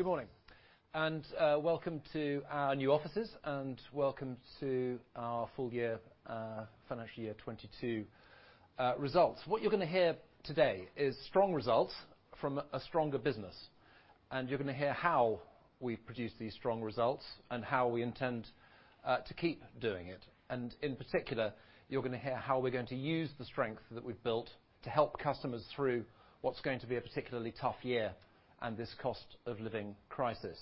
Good morning, and welcome to our new officers, and welcome to our full year financial year 2022 results. What you're gonna hear today is strong results from a stronger business, and you're gonna hear how we've produced these strong results and how we intend to keep doing it. In particular, you're gonna hear how we're going to use the strength that we've built to help customers through what's going to be a particularly tough year and this cost of living crisis.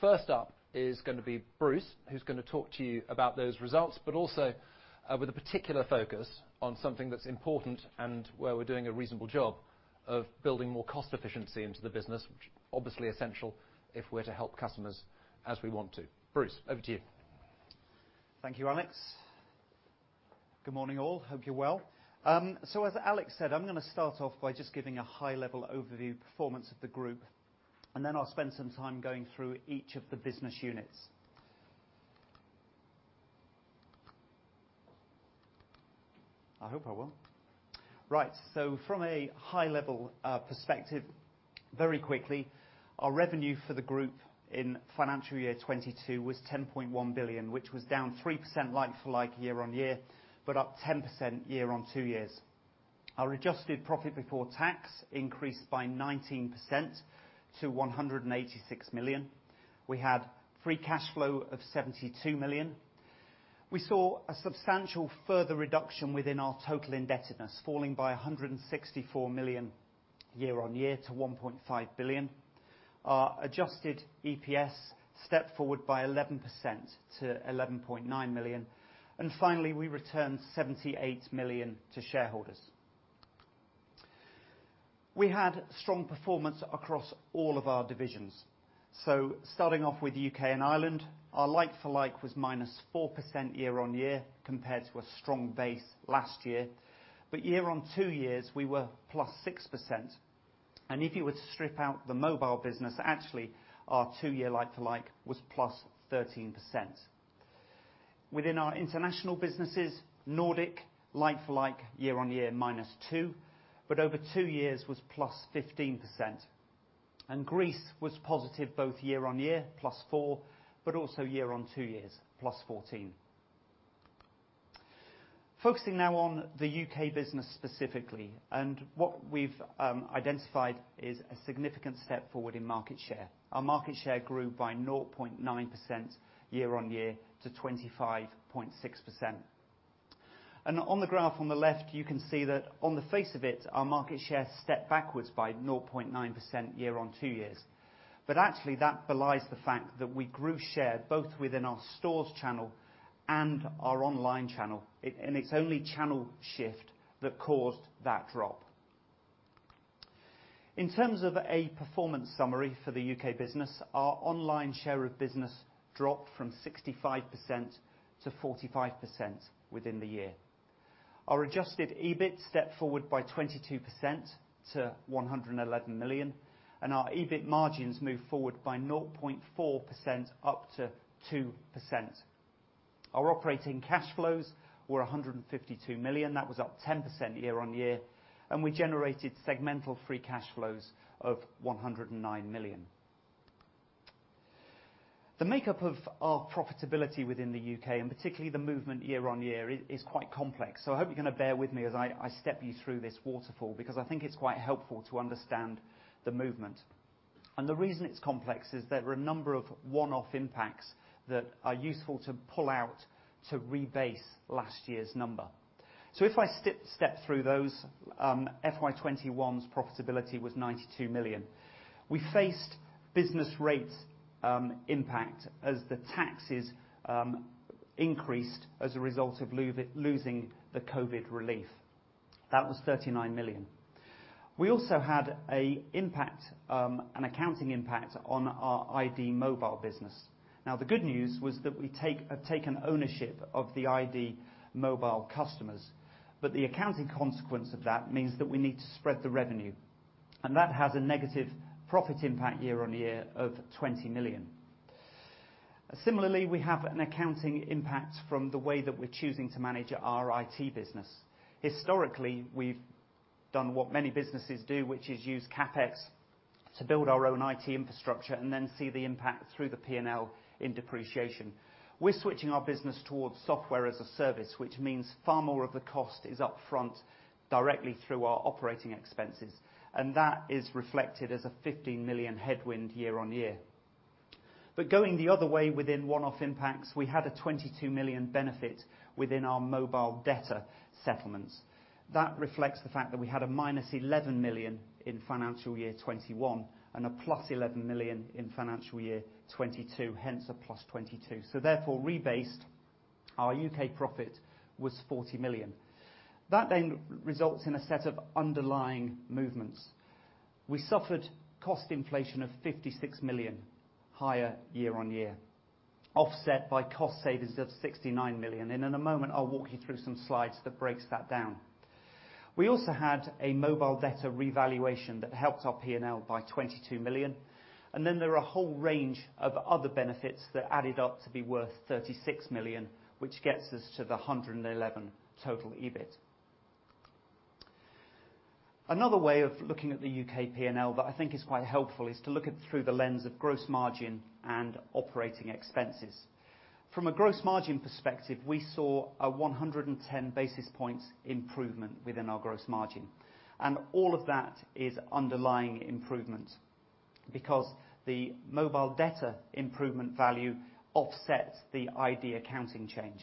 First up is gonna be Bruce, who's gonna talk to you about those results, but also with a particular focus on something that's important and where we're doing a reasonable job of building more cost efficiency into the business, which obviously essential if we're to help customers as we want to. Bruce, over to you. Thank you, Alex. Good morning, all. Hope you're well. As Alex said, I'm gonna start off by just giving a high level overview performance of the group, and then I'll spend some time going through each of the business units. From a high level perspective very quickly, our revenue for the group in financial year 2022 was 10.1 billion, which was down 3% like-for-like year-on-year, but up 10% year-on-two years. Our adjusted profit before tax increased by 19% to 186 million. We had free cash flow of 72 million. We saw a substantial further reduction within our total indebtedness, falling by 164 million year-on-year to 1.5 billion. Our adjusted EPS stepped forward by 11% to 11.9 million. Finally, we returned 78 million to shareholders. We had strong performance across all of our divisions. Starting off with U.K. and Ireland, our like-for-like was -4% year-on-year compared to a strong base last year. Year-on-two years, we were +6%. If you were to strip out the mobile business, actually, our two-year like-for-like was +13%. Within our international businesses, Nordic, like-for-like year-on-year -2%, but over two years was +15%. Greece was positive both year-on-year, +4%, but also year-on-two years, +14%. Focusing now on the U.K. business specifically, and what we've identified is a significant step forward in market share. Our market share grew by 0.9% year-on-year to 25.6%. On the graph on the left, you can see that on the face of it, our market share stepped backwards by 0.9% year-on-two years. Actually, that belies the fact that we grew share both within our stores channel and our online channel. It's only channel shift that caused that drop. In terms of a performance summary for the U.K. business, our online share of business dropped from 65% to 45% within the year. Our adjusted EBIT stepped forward by 22% to 111 million, and our EBIT margins moved forward by 0.4% up to 2%. Our operating cash flows were 152 million. That was up 10% year-on-year, and we generated segmental free cash flows of 109 million. The makeup of our profitability within the U.K., and particularly the movement year-on-year is quite complex. I hope you're gonna bear with me as I step you through this waterfall because I think it's quite helpful to understand the movement. The reason it's complex is there are a number of one-off impacts that are useful to pull out to rebase last year's number. If I step through those, FY 2021's profitability was 92 million. We faced business rate impact as the taxes increased as a result of losing the COVID relief. That was 39 million. We also had an accounting impact on our iD Mobile business. Now the good news was that we have taken ownership of the iD Mobile customers, but the accounting consequence of that means that we need to spread the revenue, and that has a negative profit impact year-on-year of 20 million. Similarly, we have an accounting impact from the way that we're choosing to manage our IT business. Historically, we've done what many businesses do, which is use CapEx to build our own IT infrastructure and then see the impact through the P&L in depreciation. We're switching our business towards software-as-a-service, which means far more of the cost is upfront directly through our operating expenses, and that is reflected as a 15 million headwind year-on-year. Going the other way within one-off impacts, we had a 22 million benefit within our mobile debtor settlements. That reflects the fact that we had a -11 million in financial year 2021 and a +11 million in financial year 2022, hence a +22. Therefore rebased, our U.K. profit was 40 million. That then results in a set of underlying movements. We suffered cost inflation of 56 million higher year-on-year, offset by cost savings of 69 million. In a moment, I'll walk you through some slides that breaks that down. We also had a mobile debtor revaluation that helped our P&L by 22 million. Then there are a whole range of other benefits that added up to be worth 36 million, which gets us to the 111 total EBIT. Another way of looking at the U.K. P&L that I think is quite helpful is to look at it through the lens of gross margin and operating expenses. From a gross margin perspective, we saw a 110 basis points improvement within our gross margin, and all of that is underlying improvement because the mobile debtor improvement value offsets the iD accounting change.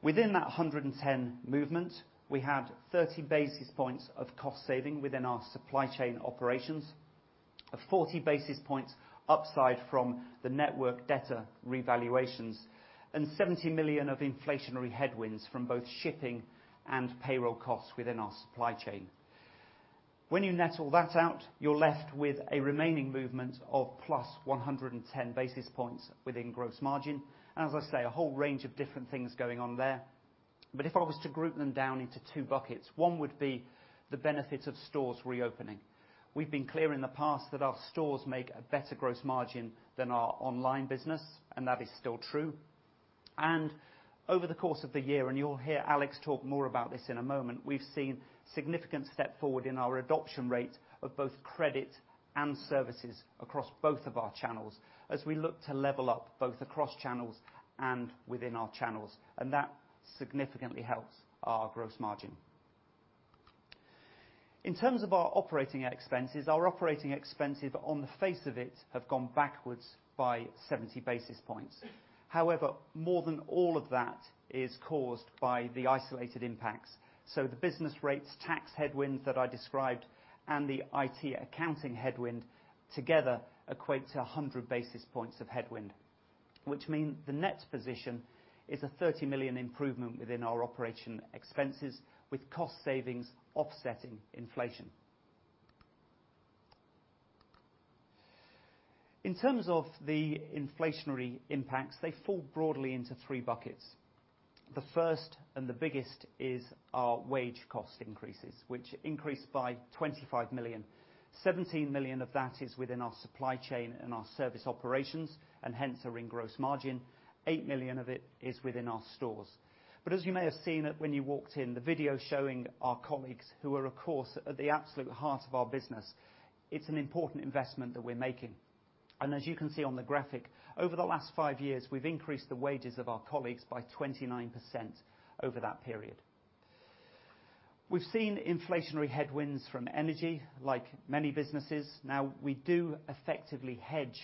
Within that 110 movement, we had 30 basis points of cost saving within our supply chain operations, a 40 basis points upside from the network debtor revaluations, and 70 million of inflationary headwinds from both shipping and payroll costs within our supply chain. When you net all that out, you're left with a remaining movement of +110 basis points within gross margin. As I say, a whole range of different things going on there. If I was to group them down into two buckets, one would be the benefit of stores reopening. We've been clear in the past that our stores make a better gross margin than our online business, and that is still true. Over the course of the year, and you'll hear Alex talk more about this in a moment, we've seen significant step forward in our adoption rate of both credit and services across both of our channels as we look to level up both across channels and within our channels, and that significantly helps our gross margin. In terms of our operating expenses, our operating expenses on the face of it have gone backwards by 70 basis points. However, more than all of that is caused by the isolated impacts. The business rates, tax headwinds that I described, and the IT accounting headwind together equate to 100 basis points of headwind, which mean the net position is a 30 million improvement within our operating expenses with cost savings offsetting inflation. In terms of the inflationary impacts, they fall broadly into three buckets. The first and the biggest is our wage cost increases, which increased by 25 million. 17 million of that is within our supply chain and our service operations, and hence are in gross margin. 8 million of it is within our stores. As you may have seen when you walked in, the video showing our colleagues who are, of course, at the absolute heart of our business, it's an important investment that we're making. As you can see on the graphic, over the last five years, we've increased the wages of our colleagues by 29% over that period. We've seen inflationary headwinds from energy, like many businesses. Now, we do effectively hedge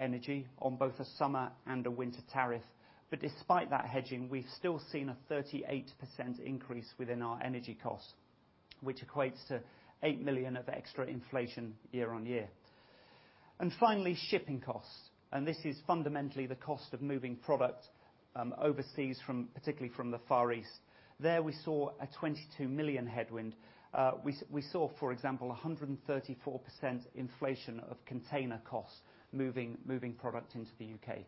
energy on both a summer and a winter tariff. Despite that hedging, we've still seen a 38% increase within our energy costs, which equates to 8 million of extra inflation year-on-year. Finally, shipping costs. This is fundamentally the cost of moving product overseas from, particularly from the Far East. There we saw a 22 million headwind. We saw, for example, 134% inflation of container costs moving product into the U.K.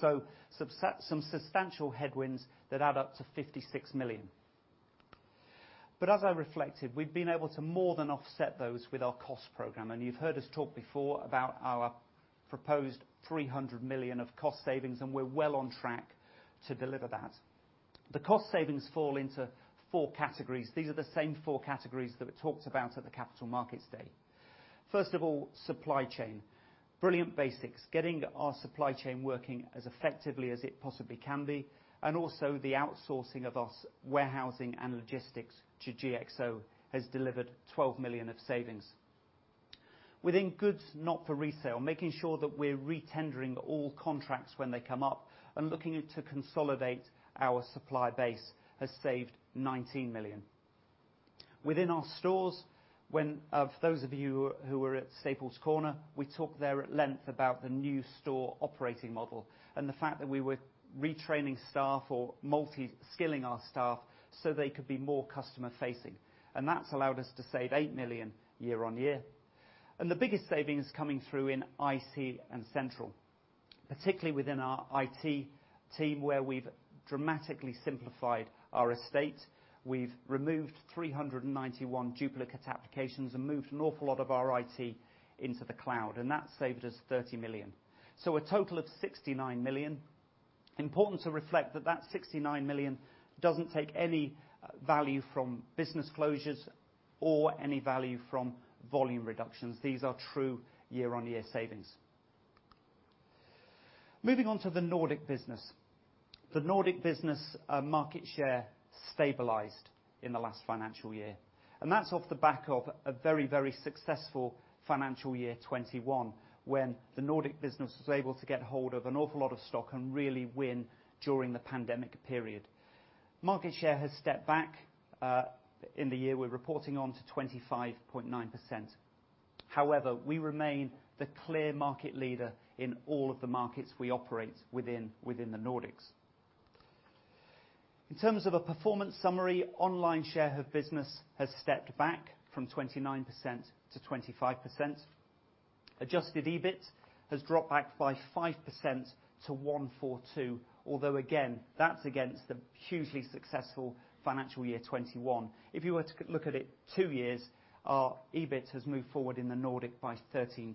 Some substantial headwinds that add up to 56 million. As I reflected, we've been able to more than offset those with our cost program. You've heard us talk before about our proposed 300 million of cost savings, and we're well on track to deliver that. The cost savings fall into four categories. These are the same four categories that we talked about at the Capital Markets Day. First of all, supply chain brilliant basics. Getting our supply chain working as effectively as it possibly can be, and also the outsourcing of our warehousing and logistics to GXO has delivered 12 million of savings. Within goods not for resale, making sure that we're retendering all contracts when they come up and looking to consolidate our supply base has saved 19 million. Within our stores, for those of you who were at Staples Corner, we talked there at length about the new store operating model and the fact that we were retraining staff or multi-skilling our staff so they could be more customer-facing. That's allowed us to save 8 million year-on-year. The biggest savings coming through in IT and Central, particularly within our IT team, where we've dramatically simplified our estate. We've removed 391 duplicate applications and moved an awful lot of our IT into the cloud, and that saved us 30 million. A total of 69 million. Important to reflect that that 69 million doesn't take any value from business closures or any value from volume reductions. These are true year-on-year savings. Moving on to the Nordic business. The Nordic business market share stabilized in the last financial year, and that's off the back of a very, very successful financial year 2021, when the Nordic business was able to get hold of an awful lot of stock and really win during the pandemic period. Market share has stepped back in the year we're reporting on to 25.9%. However, we remain the clear market leader in all of the markets we operate within the Nordics. In terms of a performance summary, online share of business has stepped back from 29% to 25%. Adjusted EBIT has dropped back by 5% to 142 million. Although again, that's against the hugely successful financial year 2021. If you were to look at it two years, our EBIT has moved forward in the Nordic by 13%.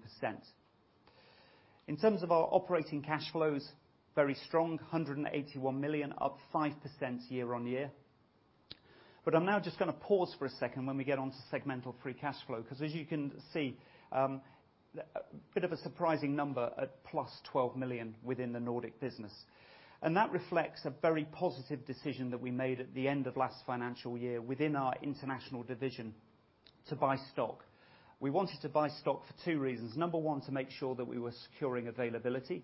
In terms of our operating cash flows, very strong, 181 million, up 5% year-on-year. I'm now just gonna pause for a second when we get on to segmental free cash flow, 'cause as you can see, a bit of a surprising number at +12 million within the Nordic business. That reflects a very positive decision that we made at the end of last financial year within our international division to buy stock. We wanted to buy stock for two reasons. Number one, to make sure that we were securing availability,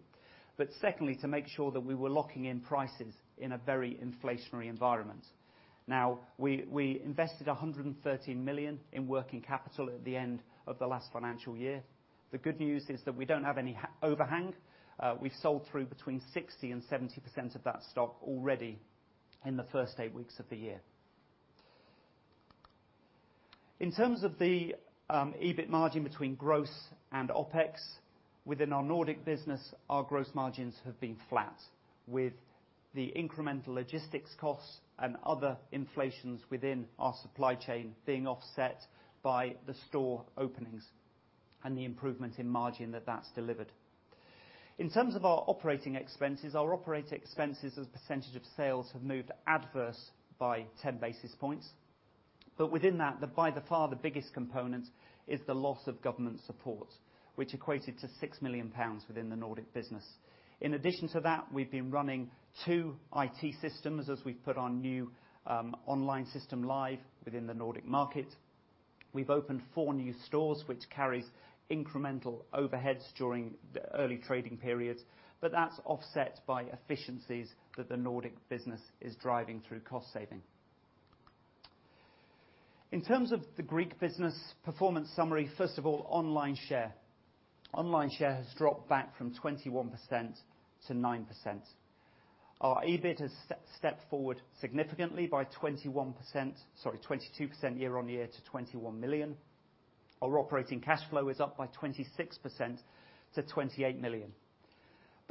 but secondly, to make sure that we were locking in prices in a very inflationary environment. Now, we invested 113 million in working capital at the end of the last financial year. The good news is that we don't have any overhang. We sold through 60%-70% of that stock already in the first eight weeks of the year. In terms of the EBIT margin between gross and OpEx, within our Nordic business, our gross margins have been flat, with the incremental logistics costs and other inflations within our supply chain being offset by the store openings and the improvement in margin that that's delivered. In terms of our operating expenses, our operating expenses as a percentage of sales have moved adverse by 10 basis points. Within that, by far the biggest component is the loss of government support, which equated to 6 million pounds within the Nordic business. In addition to that, we've been running two IT systems as we've put our new online system live within the Nordic market. We've opened four new stores, which carries incremental overheads during the early trading periods. That's offset by efficiencies that the Nordic business is driving through cost saving. In terms of the Greek business performance summary, first of all, online share. Online share has dropped back from 21% to 9%. Our EBIT has stepped forward significantly by 21%, sorry, 22% year-on-year to 21 million. Our operating cash flow is up by 26% to 28 million.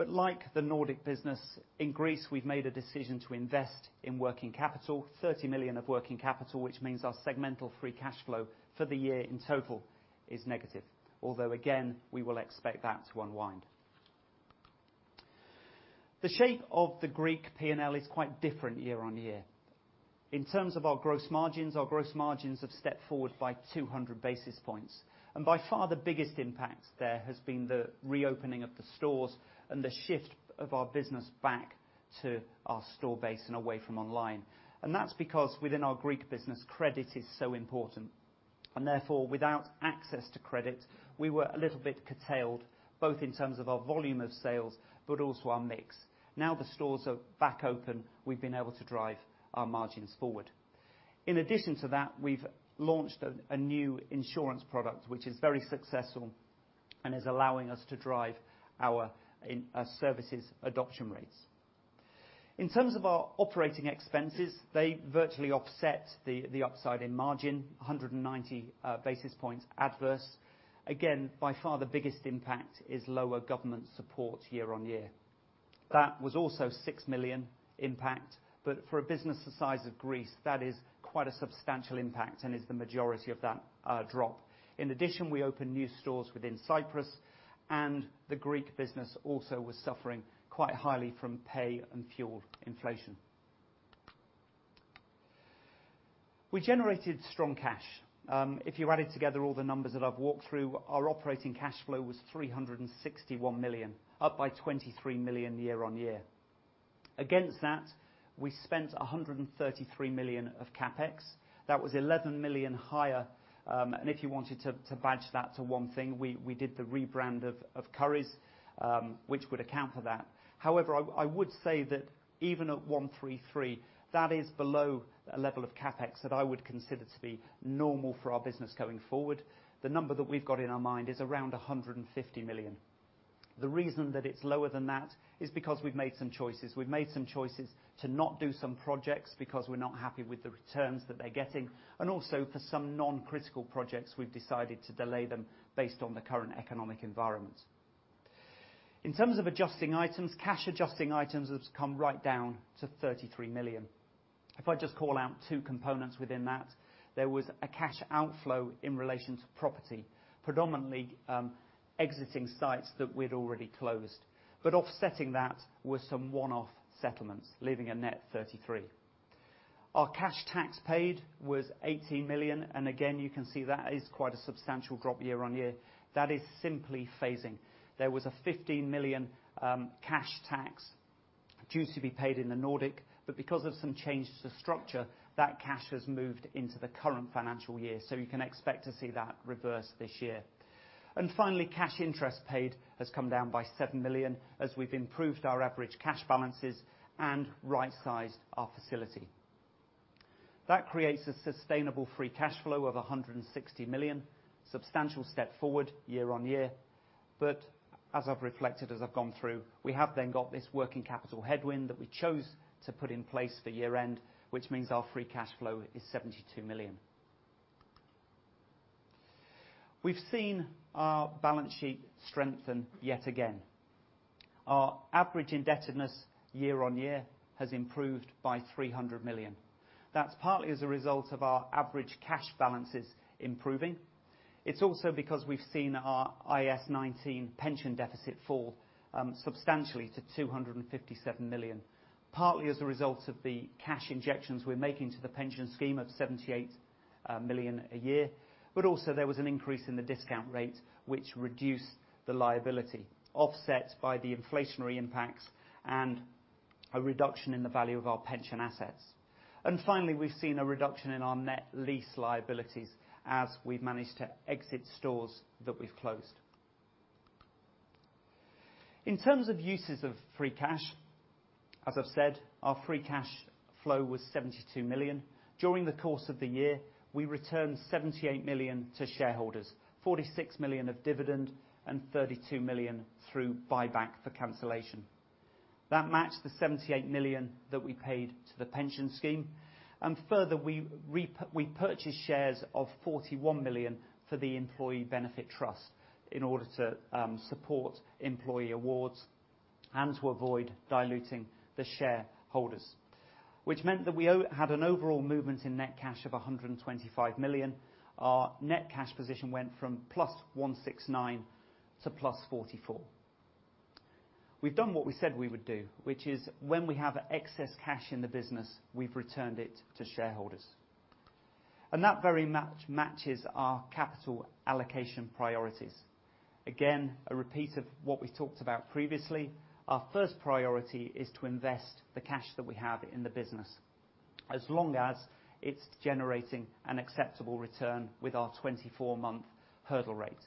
Like the Nordic business, in Greece, we've made a decision to invest in working capital, 30 million of working capital, which means our segmental free cash flow for the year in total is negative. Although, again, we will expect that to unwind. The shape of the Greek P&L is quite different year-on-year. In terms of our gross margins, our gross margins have stepped forward by 200 basis points. By far, the biggest impact there has been the reopening of the stores and the shift of our business back to our store base and away from online. That's because within our Greek business, credit is so important and therefore without access to credit, we were a little bit curtailed, both in terms of our volume of sales, but also our mix. Now the stores are back open, we've been able to drive our margins forward. In addition to that, we've launched a new insurance product, which is very successful and is allowing us to drive our services adoption rates. In terms of our operating expenses, they virtually offset the upside in margin, 190 basis points adverse. Again, by far the biggest impact is lower government support year-on-year. That was also 6 million impact, but for a business the size of Greece, that is quite a substantial impact and is the majority of that drop. In addition, we opened new stores within Cyprus, and the Greek business also was suffering quite highly from pay and fuel inflation. We generated strong cash. If you added together all the numbers that I've walked through, our operating cash flow was 361 million, up by 23 million year-on-year. Against that, we spent 133 million of CapEx. That was 11 million higher, and if you wanted to badge that to one thing, we did the rebrand of Currys, which would account for that. However, I would say that even at 133 million, that is below a level of CapEx that I would consider to be normal for our business going forward. The number that we've got in our mind is around 150 million. The reason that it's lower than that is because we've made some choices. We've made some choices to not do some projects because we're not happy with the returns that they're getting, and also for some non-critical projects, we've decided to delay them based on the current economic environment. In terms of adjusting items, cash adjusting items has come right down to 33 million. If I just call out two components within that, there was a cash outflow in relation to property, predominantly, exiting sites that we'd already closed. Offsetting that was some one-off settlements, leaving a net 33 million. Our cash tax paid was 18 million, and again, you can see that is quite a substantial drop year-on-year. That is simply phasing. There was a 15 million cash tax due to be paid in the Nordic, but because of some changes to structure, that cash has moved into the current financial year. You can expect to see that reverse this year. Finally, cash interest paid has come down by 7 million as we've improved our average cash balances and right-sized our facility. That creates a sustainable free cash flow of 160 million, substantial step forward year-on-year. As I've reflected, as I've gone through, we have then got this working capital headwind that we chose to put in place for year-end, which means our free cash flow is 72 million. We've seen our balance sheet strengthen yet again. Our average indebtedness year-on-year has improved by 300 million. That's partly as a result of our average cash balances improving. It's also because we've seen our IAS 19 pension deficit fall substantially to 257 million, partly as a result of the cash injections we're making to the pension scheme of 78 million a year. Also there was an increase in the discount rate, which reduced the liability, offset by the inflationary impacts and a reduction in the value of our pension assets. Finally, we've seen a reduction in our net lease liabilities as we've managed to exit stores that we've closed. In terms of uses of free cash, as I've said, our free cash flow was 72 million. During the course of the year, we returned 78 million to shareholders, 46 million of dividend and 32 million through buyback for cancellation. That matched the 78 million that we paid to the pension scheme, and further, we purchased shares of 41 million for the employee benefit trust in order to support employee awards and to avoid diluting the shareholders. Which meant that we had an overall movement in net cash of 125 million. Our net cash position went from +169 million to +44 million. We've done what we said we would do, which is when we have excess cash in the business, we've returned it to shareholders. That very much matches our capital allocation priorities. Again, a repeat of what we talked about previously, our first priority is to invest the cash that we have in the business as long as it's generating an acceptable return with our 24-month hurdle rate.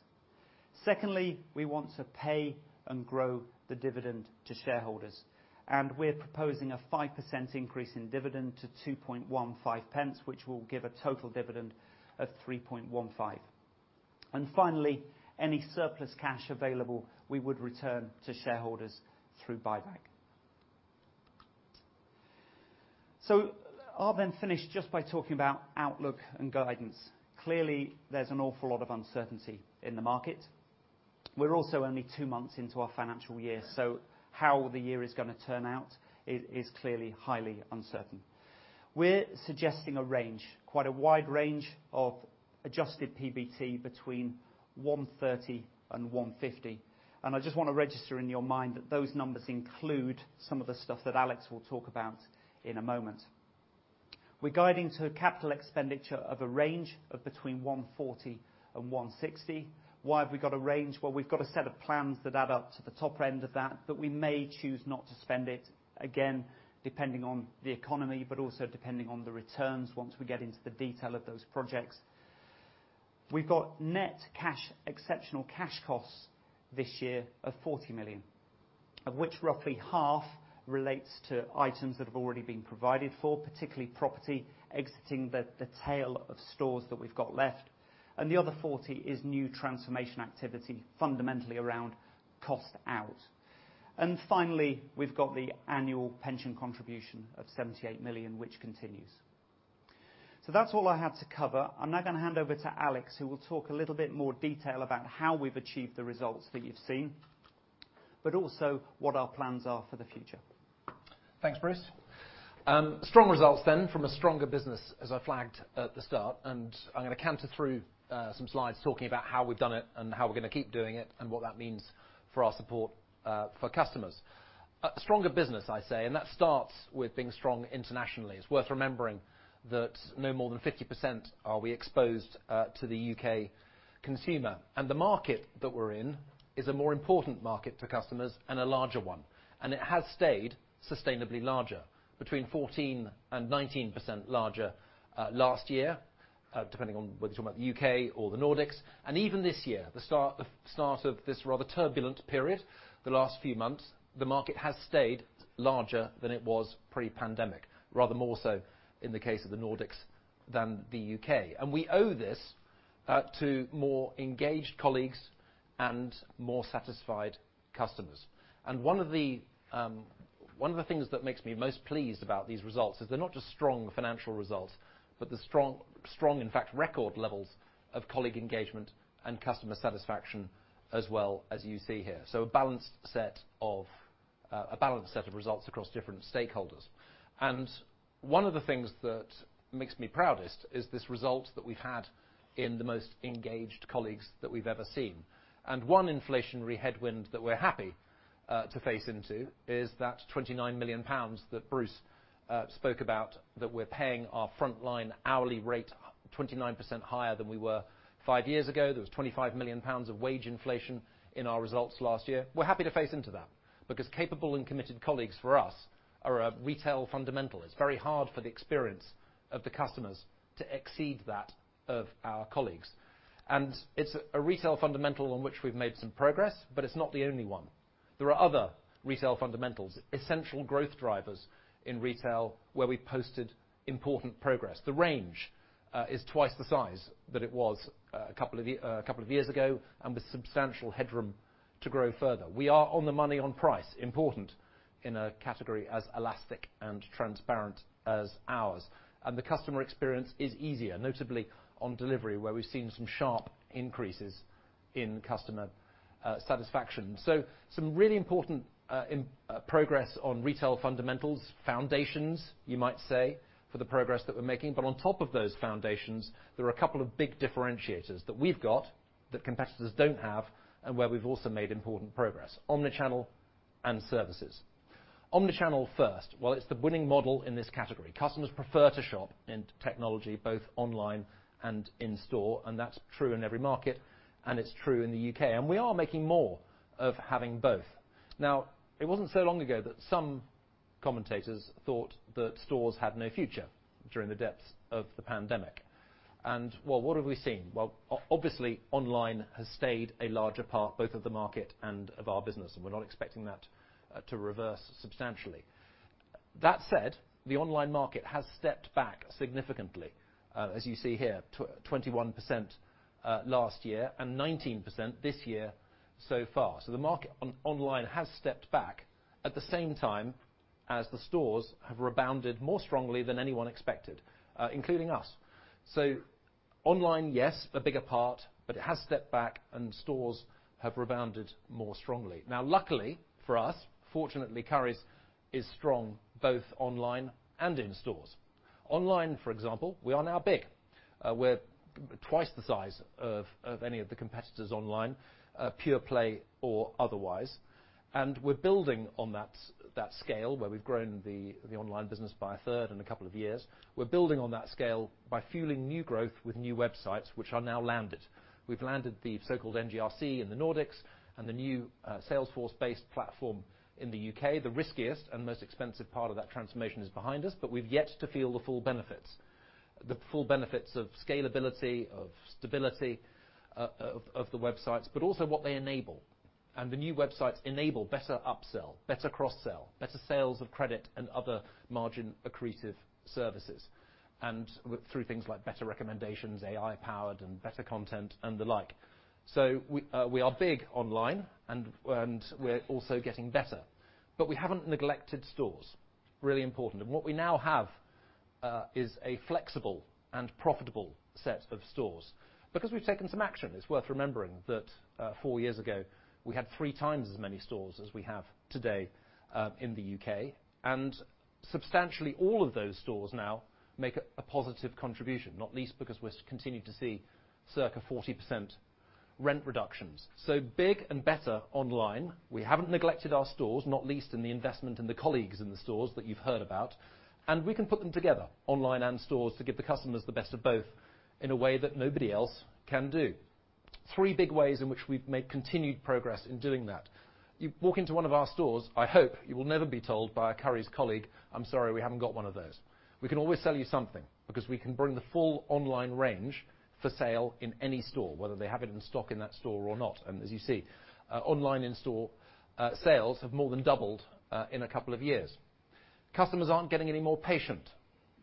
Secondly, we want to pay and grow the dividend to shareholders, and we're proposing a 5% increase in dividend to 0.0215, which will give a total dividend of 0.0315. Finally, any surplus cash available, we would return to shareholders through buyback. I'll then finish just by talking about outlook and guidance. Clearly, there's an awful lot of uncertainty in the market. We're also only two months into our financial year, so how the year is gonna turn out is clearly highly uncertain. We're suggesting a range, quite a wide range of adjusted PBT between 130 million and 150 million. I just want to register in your mind that those numbers include some of the stuff that Alex will talk about in a moment. We're guiding to capital expenditure of a range of between 140 million and 160 million. Why have we got a range? Well, we've got a set of plans that add up to the top end of that, but we may choose not to spend it, again, depending on the economy, but also depending on the returns once we get into the detail of those projects. We've got net cash, exceptional cash costs this year of 40 million, of which roughly half relates to items that have already been provided for, particularly property exiting the tail of stores that we've got left. The other 40 is new transformation activity, fundamentally around cost out. Finally, we've got the annual pension contribution of 78 million, which continues. That's all I had to cover. I'm now gonna hand over to Alex, who will talk a little bit more detail about how we've achieved the results that you've seen, but also what our plans are for the future. Thanks, Bruce. Strong results then from a stronger business, as I flagged at the start, and I'm gonna canter through some slides talking about how we've done it and how we're gonna keep doing it and what that means for our support for customers. A stronger business, I say, and that starts with being strong internationally. It's worth remembering that no more than 50% are we exposed to the U.K. consumer. The market that we're in is a more important market to customers and a larger one. It has stayed sustainably larger, between 14% and 19% larger, last year, depending on whether you're talking about the U.K. or the Nordics. Even this year, the start of this rather turbulent period, the last few months, the market has stayed larger than it was pre-pandemic, rather more so in the case of the Nordics than the U.K. We owe this to more engaged colleagues and more satisfied customers. One of the things that makes me most pleased about these results is they're not just strong financial results, but they're strong, in fact, record levels of colleague engagement and customer satisfaction as well as you see here. A balanced set of results across different stakeholders. One of the things that makes me proudest is this result that we've had in the most engaged colleagues that we've ever seen. One inflationary headwind that we're happy to face into is that 29 million pounds that Bruce spoke about, that we're paying our front line hourly rate 29% higher than we were five years ago. There was 25 million pounds of wage inflation in our results last year. We're happy to face into that because capable and committed colleagues for us are a retail fundamental. It's very hard for the experience of the customers to exceed that of our colleagues. It's a retail fundamental on which we've made some progress, but it's not the only one. There are other retail fundamentals, essential growth drivers in retail, where we posted important progress. The range is twice the size that it was a couple of years ago, and with substantial headroom to grow further. We are on the money on price, important in a category as elastic and transparent as ours. The customer experience is easier, notably on delivery, where we've seen some sharp increases in customer satisfaction. Some really important progress on retail fundamentals, foundations, you might say, for the progress that we're making. On top of those foundations, there are a couple of big differentiators that we've got that competitors don't have, and where we've also made important progress, omni-channel and services. Omni-channel first. Well, it's the winning model in this category. Customers prefer to shop in technology, both online and in store, and that's true in every market, and it's true in the U.K. We are making more of having both. Now, it wasn't so long ago that some commentators thought that stores had no future during the depths of the pandemic. Well, what have we seen? Well, obviously, online has stayed a larger part both of the market and of our business, and we're not expecting that to reverse substantially. That said, the online market has stepped back significantly, as you see here, 21% last year and 19% this year so far. The market online has stepped back at the same time as the stores have rebounded more strongly than anyone expected, including us. Online, yes, a bigger part, but it has stepped back and stores have rebounded more strongly. Now, luckily for us, fortunately, Currys is strong both online and in stores. Online, for example, we are now big. We're twice the size of any of the competitors online, pure play or otherwise. We're building on that scale, where we've grown the online business by a third in a couple of years. We're building on that scale by fueling new growth with new websites, which are now landed. We've landed the so-called NGRC in the Nordics and the new Salesforce-based platform in the U.K. The riskiest and most expensive part of that transformation is behind us, but we've yet to feel the full benefits of scalability, of stability, of the websites, but also what they enable. The new websites enable better upsell, better cross-sell, better sales of credit and other margin accretive services, through things like better recommendations, AI-powered and better content and the like. We are big online and we're also getting better. We haven't neglected stores. Really important. What we now have is a flexible and profitable set of stores because we've taken some action. It's worth remembering that four years ago, we had three times as many stores as we have today in the U.K. Substantially, all of those stores now make a positive contribution, not least because we continue to see circa 40% rent reductions. Big and better online. We haven't neglected our stores, not least in the investment in the colleagues in the stores that you've heard about. We can put them together online and stores to give the customers the best of both in a way that nobody else can do. Three big ways in which we've made continued progress in doing that. You walk into one of our stores. I hope you will never be told by a Currys colleague, "I'm sorry, we haven't got one of those." We can always sell you something because we can bring the full online range for sale in any store, whether they have it in stock in that store or not. As you see, online in-store sales have more than doubled in a couple of years. Customers aren't getting any more patient.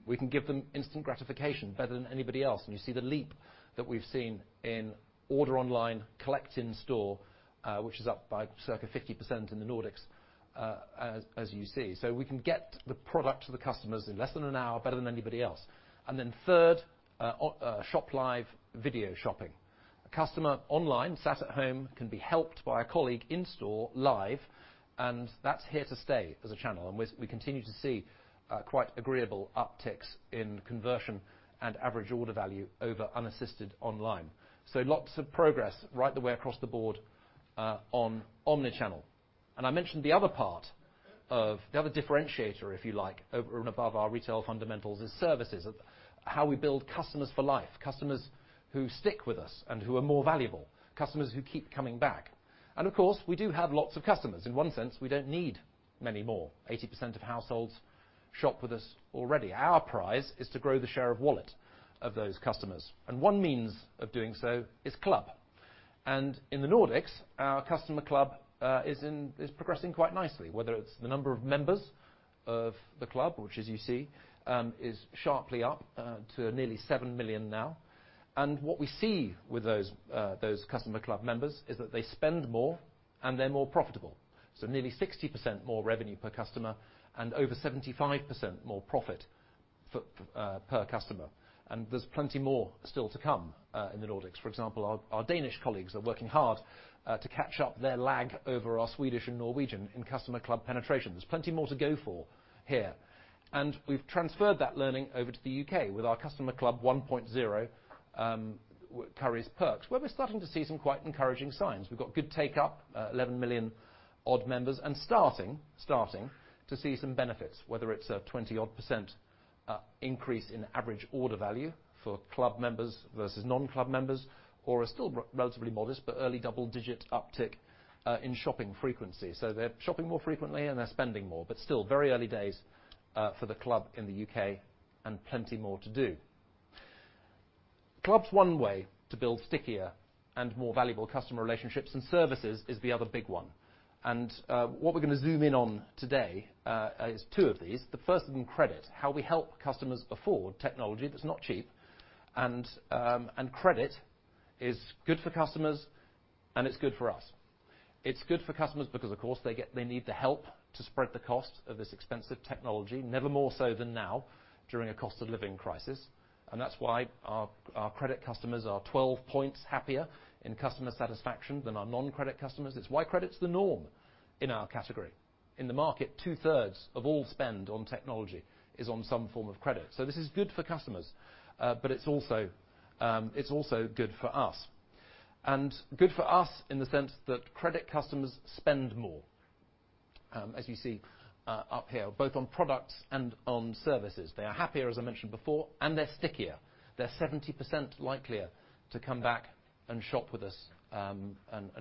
We can give them instant gratification better than anybody else. You see the leap that we've seen in order online, collect in store, which is up by circa 50% in the Nordics, as you see. We can get the product to the customers in less than an hour, better than anybody else. Then third, ShopLive video shopping. A customer online, sat at home, can be helped by a colleague in store live, and that's here to stay as a channel. We continue to see quite agreeable upticks in conversion and average order value over unassisted online. Lots of progress right the way across the board on omni-channel. I mentioned the other differentiator, if you like, over and above our retail fundamentals is services. How we build customers for life, customers who stick with us and who are more valuable, customers who keep coming back. Of course, we do have lots of customers. In one sense, we don't need many more. 80% of households shop with us already. Our prize is to grow the share of wallet of those customers. One means of doing so is club. In the Nordics, our customer club is progressing quite nicely, whether it's the number of members of the club, which, as you see, is sharply up to nearly 7 million now. What we see with those customer club members is that they spend more and they're more profitable. Nearly 60% more revenue per customer and over 75% more profit per customer. There's plenty more still to come in the Nordics. For example, our Danish colleagues are working hard to catch up their lag over our Swedish and Norwegian in customer club penetration. There's plenty more to go for here. We've transferred that learning over to the U.K. with our customer club 1.0, Currys Perks, where we're starting to see some quite encouraging signs. We've got good take-up, 11 million-odd members and starting to see some benefits, whether it's a 20-odd% increase in average order value for club members versus non-club members or a still relatively modest but early double-digit uptick in shopping frequency. They're shopping more frequently and they're spending more. Still, very early days for the club in the U.K. and plenty more to do. Club's one way to build stickier and more valuable customer relationships, and services is the other big one. What we're gonna zoom in on today is two of these. The first of them, credit, how we help customers afford technology that's not cheap. Credit is good for customers, and it's good for us. It's good for customers because of course they get. They need the help to spread the cost of this expensive technology, never more so than now during a cost of living crisis. That's why our credit customers are 12 points happier in customer satisfaction than our non-credit customers. It's why credit's the norm in our category. In the market, 2/3 of all spend on technology is on some form of credit. This is good for customers, but it's also good for us. Good for us in the sense that credit customers spend more, as you see up here, both on products and on services. They are happier, as I mentioned before, and they're stickier. They're 70% likelier to come back and shop with us, and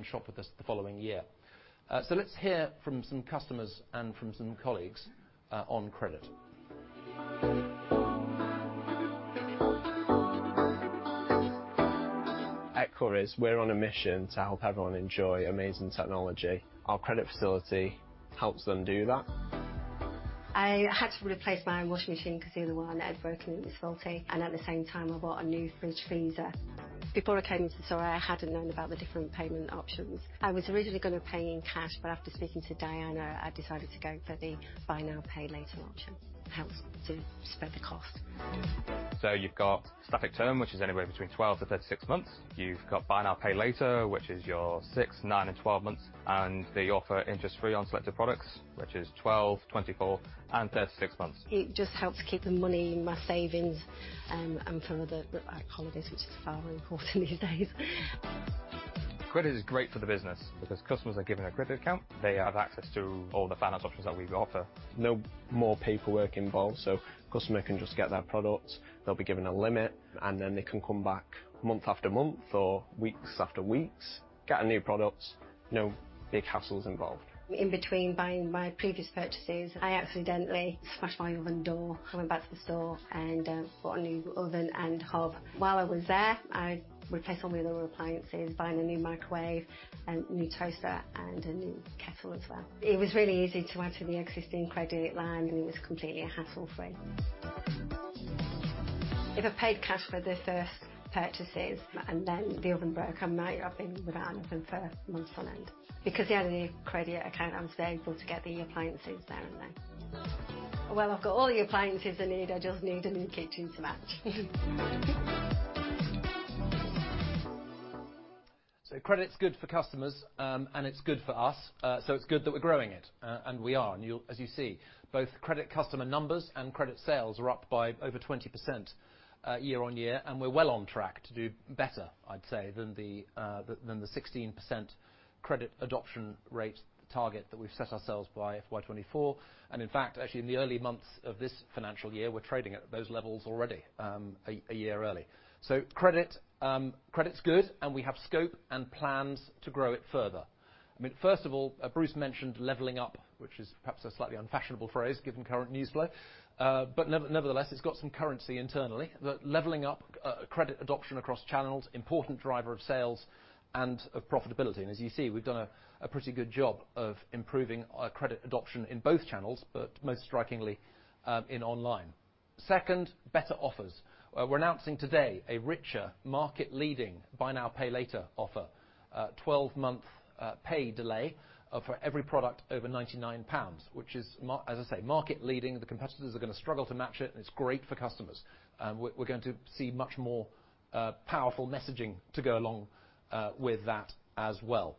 shop with us the following year. Let's hear from some customers and from some colleagues on credit. At Currys, we're on a mission to help everyone enjoy amazing technology. Our credit facility helps them do that. I had to replace my washing machine 'cause the other one had broken, it was faulty, and at the same time I bought a new fridge freezer. Before I came to the store, I hadn't learned about the different payment options. I was originally gonna pay in cash, but after speaking to Diana, I decided to go for the buy now, pay later option. Helps to spread the cost. You've got static term, which is anywhere between 12-36 months. You've got buy now, pay later, which is your six, nine, and 12 months, and the offer interest-free on selected products, which is 12, 24, and 36 months. It just helps keep the money in my savings, and for the, like, holidays, which is far important these days. Credit is great for the business because customers are given a credit account. They have access to all the finance options that we offer. No more paperwork involved, so customers can just get their products. They'll be given a limit, and then they can come back month after month or weeks after weeks, get a new product, no big hassles involved. In between buying my previous purchases, I accidentally smashed my oven door. I went back to the store and bought a new oven and hob. While I was there, I replaced all my other appliances, buying a new microwave and new toaster and a new kettle as well. It was really easy to add to the existing credit line, and it was completely hassle-free. If I paid cash for the first purchases and then the oven broke, I might have been without an oven for months on end. Because I had a credit account, I was able to get the appliances there and then. Well, I've got all the appliances I need. I just need a new kitchen to match. Credit's good for customers, and it's good for us. It's good that we're growing it. And we are, and you'll see as you see. Both credit customer numbers and credit sales are up by over 20%, year-on-year, and we're well on track to do better, I'd say, than the 16% credit adoption rate target that we've set ourselves by FY 2024. In fact, actually in the early months of this financial year, we're trading at those levels already, a year early. Credit's good, and we have scope and plans to grow it further. I mean, first of all, Bruce mentioned leveling up, which is perhaps a slightly unfashionable phrase given current news flow, but nevertheless, it's got some currency internally. The leveling up credit adoption across channels, important driver of sales and of profitability. As you see, we've done a pretty good job of improving our credit adoption in both channels, but most strikingly, in online. Second, better offers. We're announcing today a richer market-leading buy now, pay later offer, 12-month pay delay, for every product over 99 pounds, which is, as I say, market leading. The competitors are gonna struggle to match it, and it's great for customers. We're going to see much more powerful messaging to go along with that as well.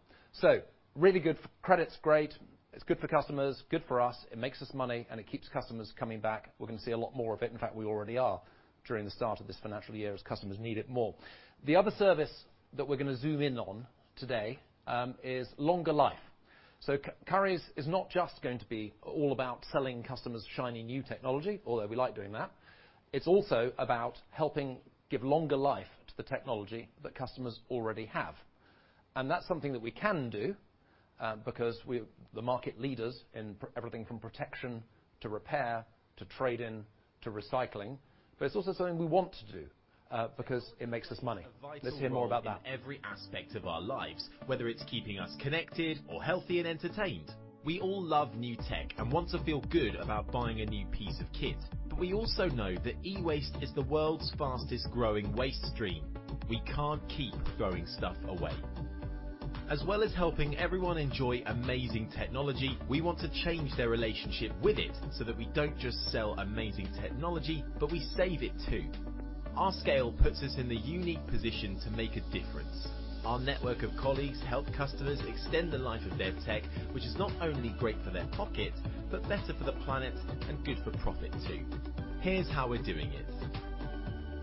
Really good. Credit's great. It's good for customers, good for us. It makes us money, and it keeps customers coming back. We're gonna see a lot more of it. In fact, we already are during the start of this financial year as customers need it more. The other service that we're gonna zoom in on today is longer life. Currys is not just going to be all about selling customers shiny new technology, although we like doing that. It's also about helping give longer life to the technology that customers already have. That's something that we can do because we're the market leaders in everything from protection to repair to trade-in to recycling. It's also something we want to do because it makes us money. Let's hear more about that. A vital role in every aspect of our lives, whether it's keeping us connected or healthy and entertained. We all love new tech and want to feel good about buying a new piece of kit. We also know that e-waste is the world's fastest growing waste stream. We can't keep throwing stuff away. As well as helping everyone enjoy amazing technology, we want to change their relationship with it, so that we don't just sell amazing technology, but we save it too. Our scale puts us in the unique position to make a difference. Our network of colleagues help customers extend the life of their tech, which is not only great for their pocket, but better for the planet and good for profit too. Here's how we're doing it.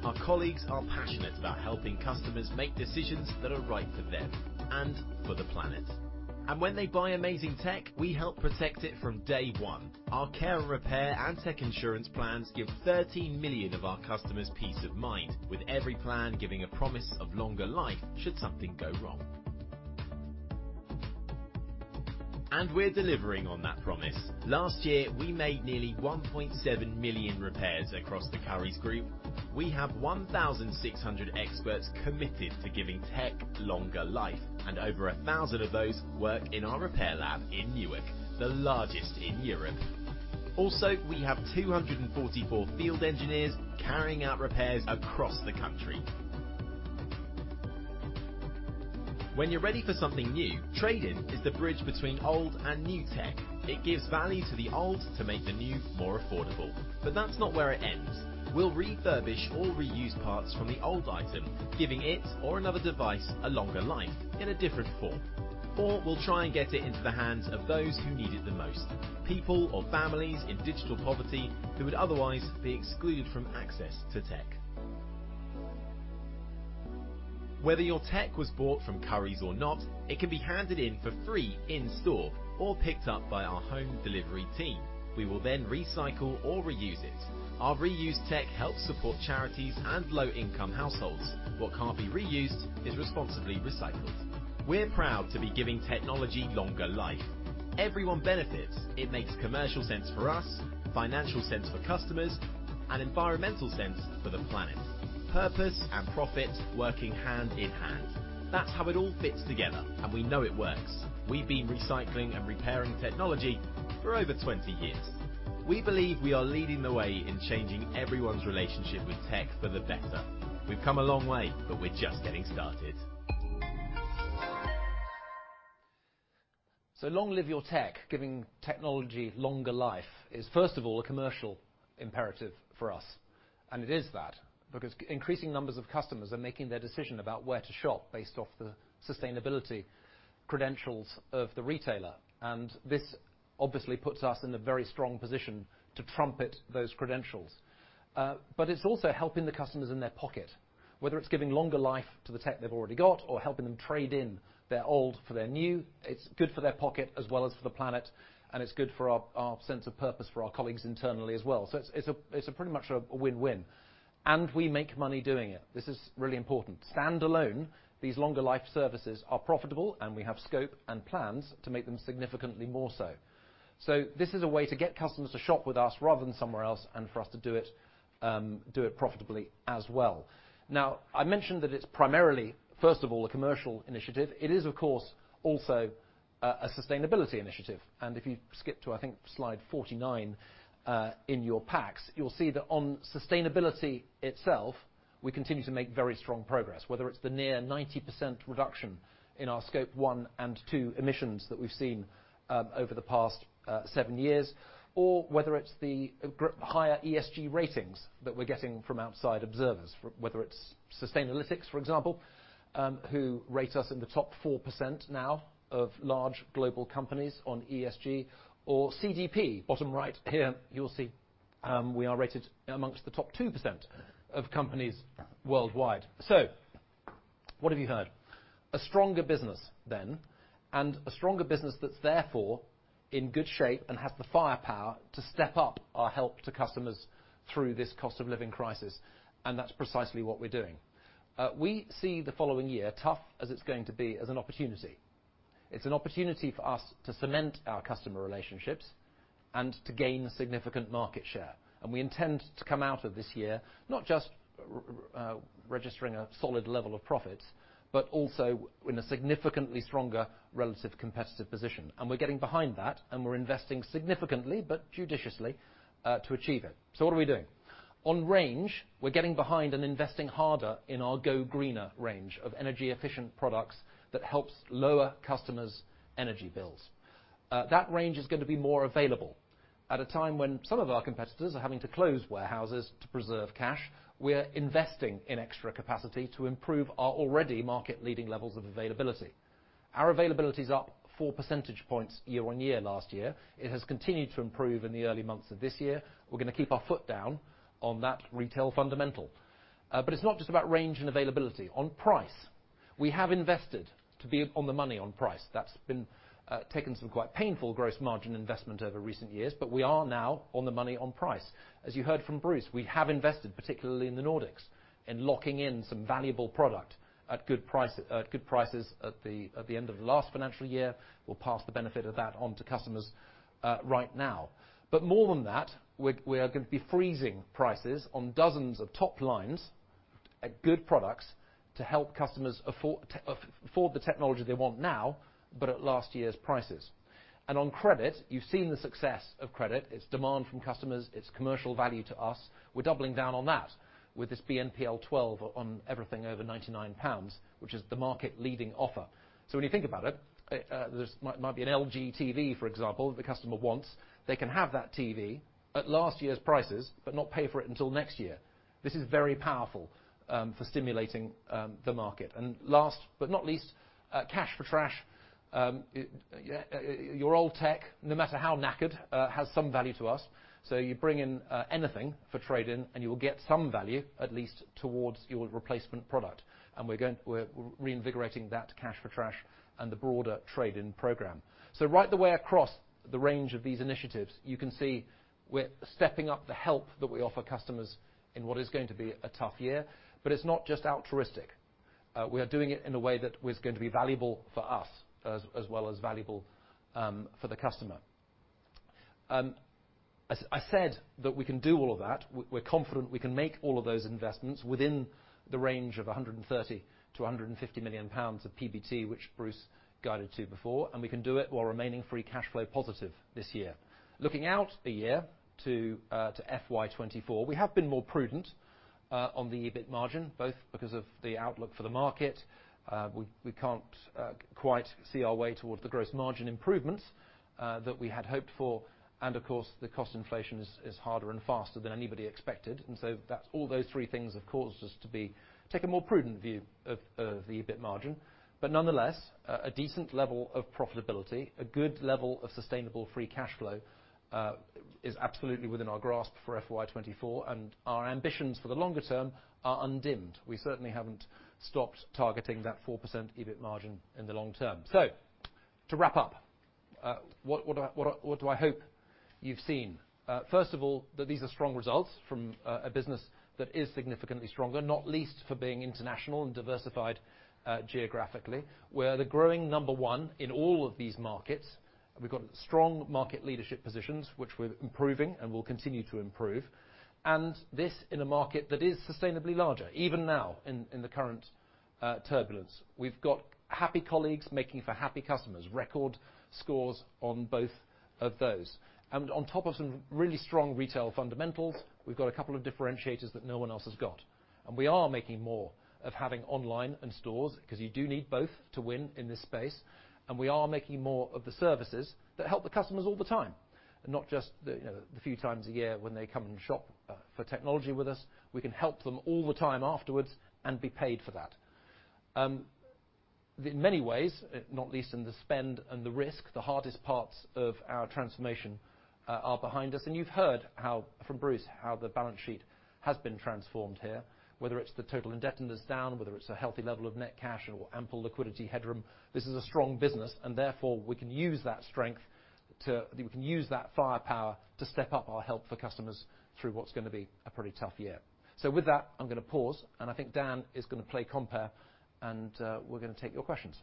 Our colleagues are passionate about helping customers make decisions that are right for them and for the planet. When they buy amazing tech, we help protect it from day one. Our care and repair and tech insurance plans give 13 million of our customers peace of mind, with every plan giving a promise of longer life should something go wrong. We're delivering on that promise. Last year, we made nearly 1.7 million repairs across the Currys group. We have 1,600 experts committed to giving tech longer life, and over 1,000 of those work in our repair lab in Newark, the largest in Europe. Also, we have 244 field engineers carrying out repairs across the country. When you're ready for something new, trade-in is the bridge between old and new tech. It gives value to the old to make the new more affordable. That's not where it ends. We'll refurbish all reused parts from the old item, giving it or another device a longer life in a different form. We'll try and get it into the hands of those who need it the most, people or families in digital poverty who would otherwise be excluded from access to tech. Whether your tech was bought from Currys or not, it can be handed in for free in store or picked up by our home delivery team. We will then recycle or reuse it. Our reused tech helps support charities and low-income households. What can't be reused is responsibly recycled. We're proud to be giving technology longer life. Everyone benefits. It makes commercial sense for us, financial sense for customers, and environmental sense for the planet. Purpose and profit working hand in hand. That's how it all fits together, and we know it works. We've been recycling and repairing technology for over 20 years. We believe we are leading the way in changing everyone's relationship with tech for the better. We've come a long way, but we're just getting started. Long Live Your Tech, giving technology longer life is first of all a commercial imperative for us. It is that, because increasing numbers of customers are making their decision about where to shop based off the sustainability credentials of the retailer. This obviously puts us in a very strong position to trumpet those credentials. But it's also helping the customers in their pocket, whether it's giving longer life to the tech they've already got or helping them trade in their old for their new, it's good for their pocket as well as for the planet, and it's good for our sense of purpose for our colleagues internally as well. It's a pretty much a win-win. We make money doing it. This is really important. Standalone, these longer life services are profitable, and we have scope and plans to make them significantly more so. So this is a way to get customers to shop with us rather than somewhere else, and for us to do it profitably as well. Now, I mentioned that it's primarily, first of all, a commercial initiative. It is, of course, also a sustainability initiative. If you skip to, I think, slide 49 in your packs, you'll see that on sustainability itself, we continue to make very strong progress. Whether it's the near 90% reduction in our scope one and two emissions that we've seen over the past seven years, or whether it's the higher ESG ratings that we're getting from outside observers, whether it's Sustainalytics, for example, who rate us in the top 4% now of large global companies on ESG, or CDP, bottom right here, you'll see, we are rated amongst the top 2% of companies worldwide. What have you heard? A stronger business then, and a stronger business that's therefore in good shape and has the firepower to step up our help to customers through this cost of living crisis, and that's precisely what we're doing. We see the following year, tough as it's going to be, as an opportunity. It's an opportunity for us to cement our customer relationships and to gain significant market share. We intend to come out of this year not just registering a solid level of profits, but also in a significantly stronger relative competitive position. We're getting behind that, and we're investing significantly, but judiciously, to achieve it. What are we doing? On range, we're getting behind and investing harder in our Go Greener range of energy efficient products that helps lower customers' energy bills. That range is gonna be more available. At a time when some of our competitors are having to close warehouses to preserve cash, we're investing in extra capacity to improve our already market leading levels of availability. Our availability is up four percentage points year-over-year last year. It has continued to improve in the early months of this year. We're gonna keep our foot down on that retail fundamental. It's not just about range and availability. On price, we have invested to be on the money on price. That's taken some quite painful gross margin investment over recent years, but we are now on the money on price. As you heard from Bruce, we have invested, particularly in the Nordics, in locking in some valuable product at good prices at the end of last financial year. We'll pass the benefit of that on to customers right now. More than that, we're going to be freezing prices on dozens of top lines at good products to help customers afford the technology they want now, but at last year's prices. On credit, you've seen the success of credit. It's demand from customers. It's commercial value to us. We're doubling down on that with this BNPL 12 on everything over 99 pounds, which is the market leading offer. When you think about it, there might be an LG TV, for example, the customer wants. They can have that TV at last year's prices, but not pay for it until next year. This is very powerful for stimulating the market. Last but not least, Cash for Trash. Yeah, your old tech, no matter how knackered, has some value to us. You bring in anything for trade-in, and you will get some value, at least towards your replacement product. We're reinvigorating that Cash for Trash and the broader trade-in program. Right the way across the range of these initiatives, you can see we're stepping up the help that we offer customers in what is going to be a tough year, but it's not just altruistic. We are doing it in a way that is going to be valuable for us as well as valuable for the customer, as I said that we can do all of that. We're confident we can make all of those investments within the range of 130 million-150 million pounds of PBT, which Bruce guided to before, and we can do it while remaining free cashflow positive this year. Looking out a year to FY 2024, we have been more prudent on the EBIT margin, both because of the outlook for the market. We can't quite see our way towards the gross margin improvements that we had hoped for, and of course, the cost inflation is harder and faster than anybody expected. That's all those three things have caused us to take a more prudent view of the EBIT margin. Nonetheless, a decent level of profitability, a good level of sustainable free cashflow, is absolutely within our grasp for FY 2024, and our ambitions for the longer term are undimmed. We certainly haven't stopped targeting that 4% EBIT margin in the long term. To wrap up, what do I hope you've seen? First of all, that these are strong results from a business that is significantly stronger, not least for being international and diversified, geographically. We're the growing number one in all of these markets. We've got strong market leadership positions, which we're improving and will continue to improve, and this in a market that is sustainably larger, even now in the current turbulence. We've got happy colleagues making for happy customers, record scores on both of those. On top of some really strong retail fundamentals, we've got a couple of differentiators that no one else has got. We are making more of having online and stores because you do need both to win in this space, and we are making more of the services that help the customers all the time, and not just the, you know, the few times a year when they come and shop for technology with us. We can help them all the time afterwards and be paid for that. In many ways, not least in the spend and the risk, the hardest parts of our transformation are behind us. You've heard how from Bruce the balance sheet has been transformed here, whether it's the total indebtedness down, whether it's a healthy level of net cash or ample liquidity headroom. This is a strong business, and therefore we can use that strength. We can use that firepower to step up our help for customers through what's gonna be a pretty tough year. With that, I'm gonna pause, and I think Dan is gonna play compere, and we're gonna take your questions.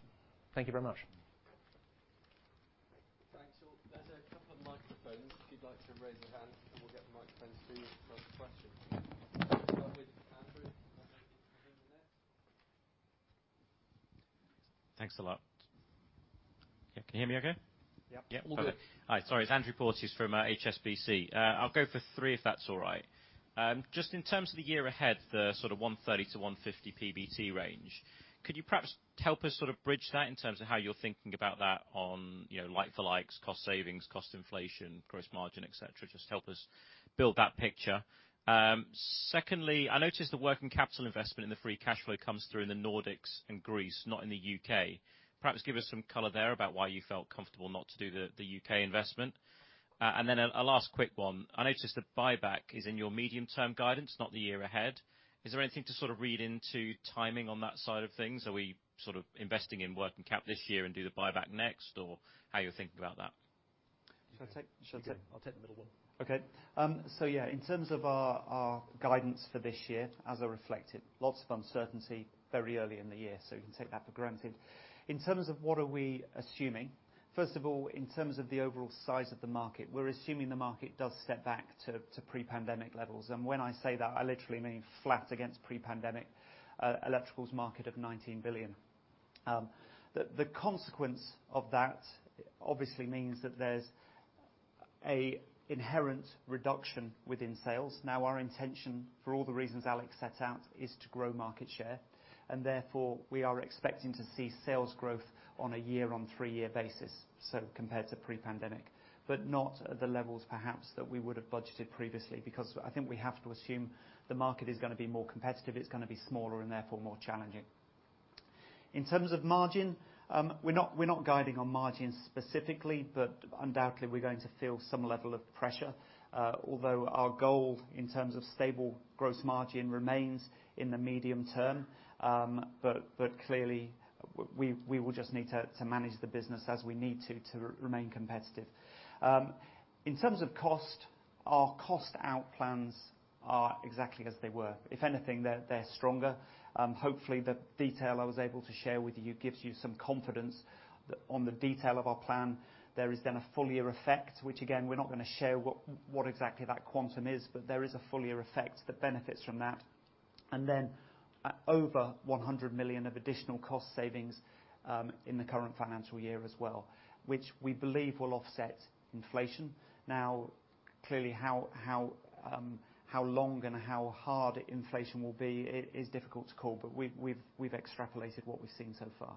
Thank you very much. Thanks. There's a couple of microphones. If you'd like to raise your hand, and we'll get the microphone to you to ask a question. We'll start with Andrew, and then we'll continue from there. Thanks a lot. Yeah, can you hear me okay? Yep. Yeah. All good. All right. Sorry. It's Andrew Porteous from HSBC. I'll go for three if that's all right. Just in terms of the year ahead, the sort of 130 million-150 million PBT range, could you perhaps help us sort of bridge that in terms of how you're thinking about that on, you know, like-for-like, cost savings, cost inflation, gross margin, et cetera, just help us build that picture. Secondly, I noticed the working capital investment in the free cash flow comes through in the Nordics and Greece, not in the U.K. Perhaps give us some color there about why you felt comfortable not to do the U.K. investment. Then a last quick one. I noticed the buyback is in your medium-term guidance, not the year ahead. Is there anything to sort of read into timing on that side of things? Are we sort of investing in working cap this year and do the buyback next, or how you're thinking about that? Do you wanna take? Sure. I'll take the middle one. Okay. In terms of our guidance for this year as I reflected, lots of uncertainty very early in the year, so you can take that for granted. In terms of what we're assuming, first of all, in terms of the overall size of the market, we're assuming the market does step back to pre-pandemic levels. When I say that, I literally mean flat against pre-pandemic electricals market of 19 billion. The consequence of that obviously means that there's an inherent reduction within sales. Now, our intention, for all the reasons Alex set out, is to grow market share, and therefore we are expecting to see sales growth on a year on three-year basis, so compared to pre-pandemic, but not at the levels perhaps that we would have budgeted previously, because I think we have to assume the market is gonna be more competitive, it's gonna be smaller, and therefore more challenging. In terms of margin, we're not guiding on margins specifically, but undoubtedly we're going to feel some level of pressure, although our goal in terms of stable gross margin remains in the medium term. But clearly we will just need to manage the business as we need to remain competitive. In terms of cost, our cost out plans are exactly as they were. If anything, they're stronger. Hopefully, the detail I was able to share with you gives you some confidence that on the detail of our plan, there is then a full year effect, which again, we're not gonna share what exactly that quantum is, but there is a full year effect that benefits from that. Over 100 million of additional cost savings in the current financial year as well, which we believe will offset inflation. Now, clearly, how long and how hard inflation will be is difficult to call, but we've extrapolated what we've seen so far.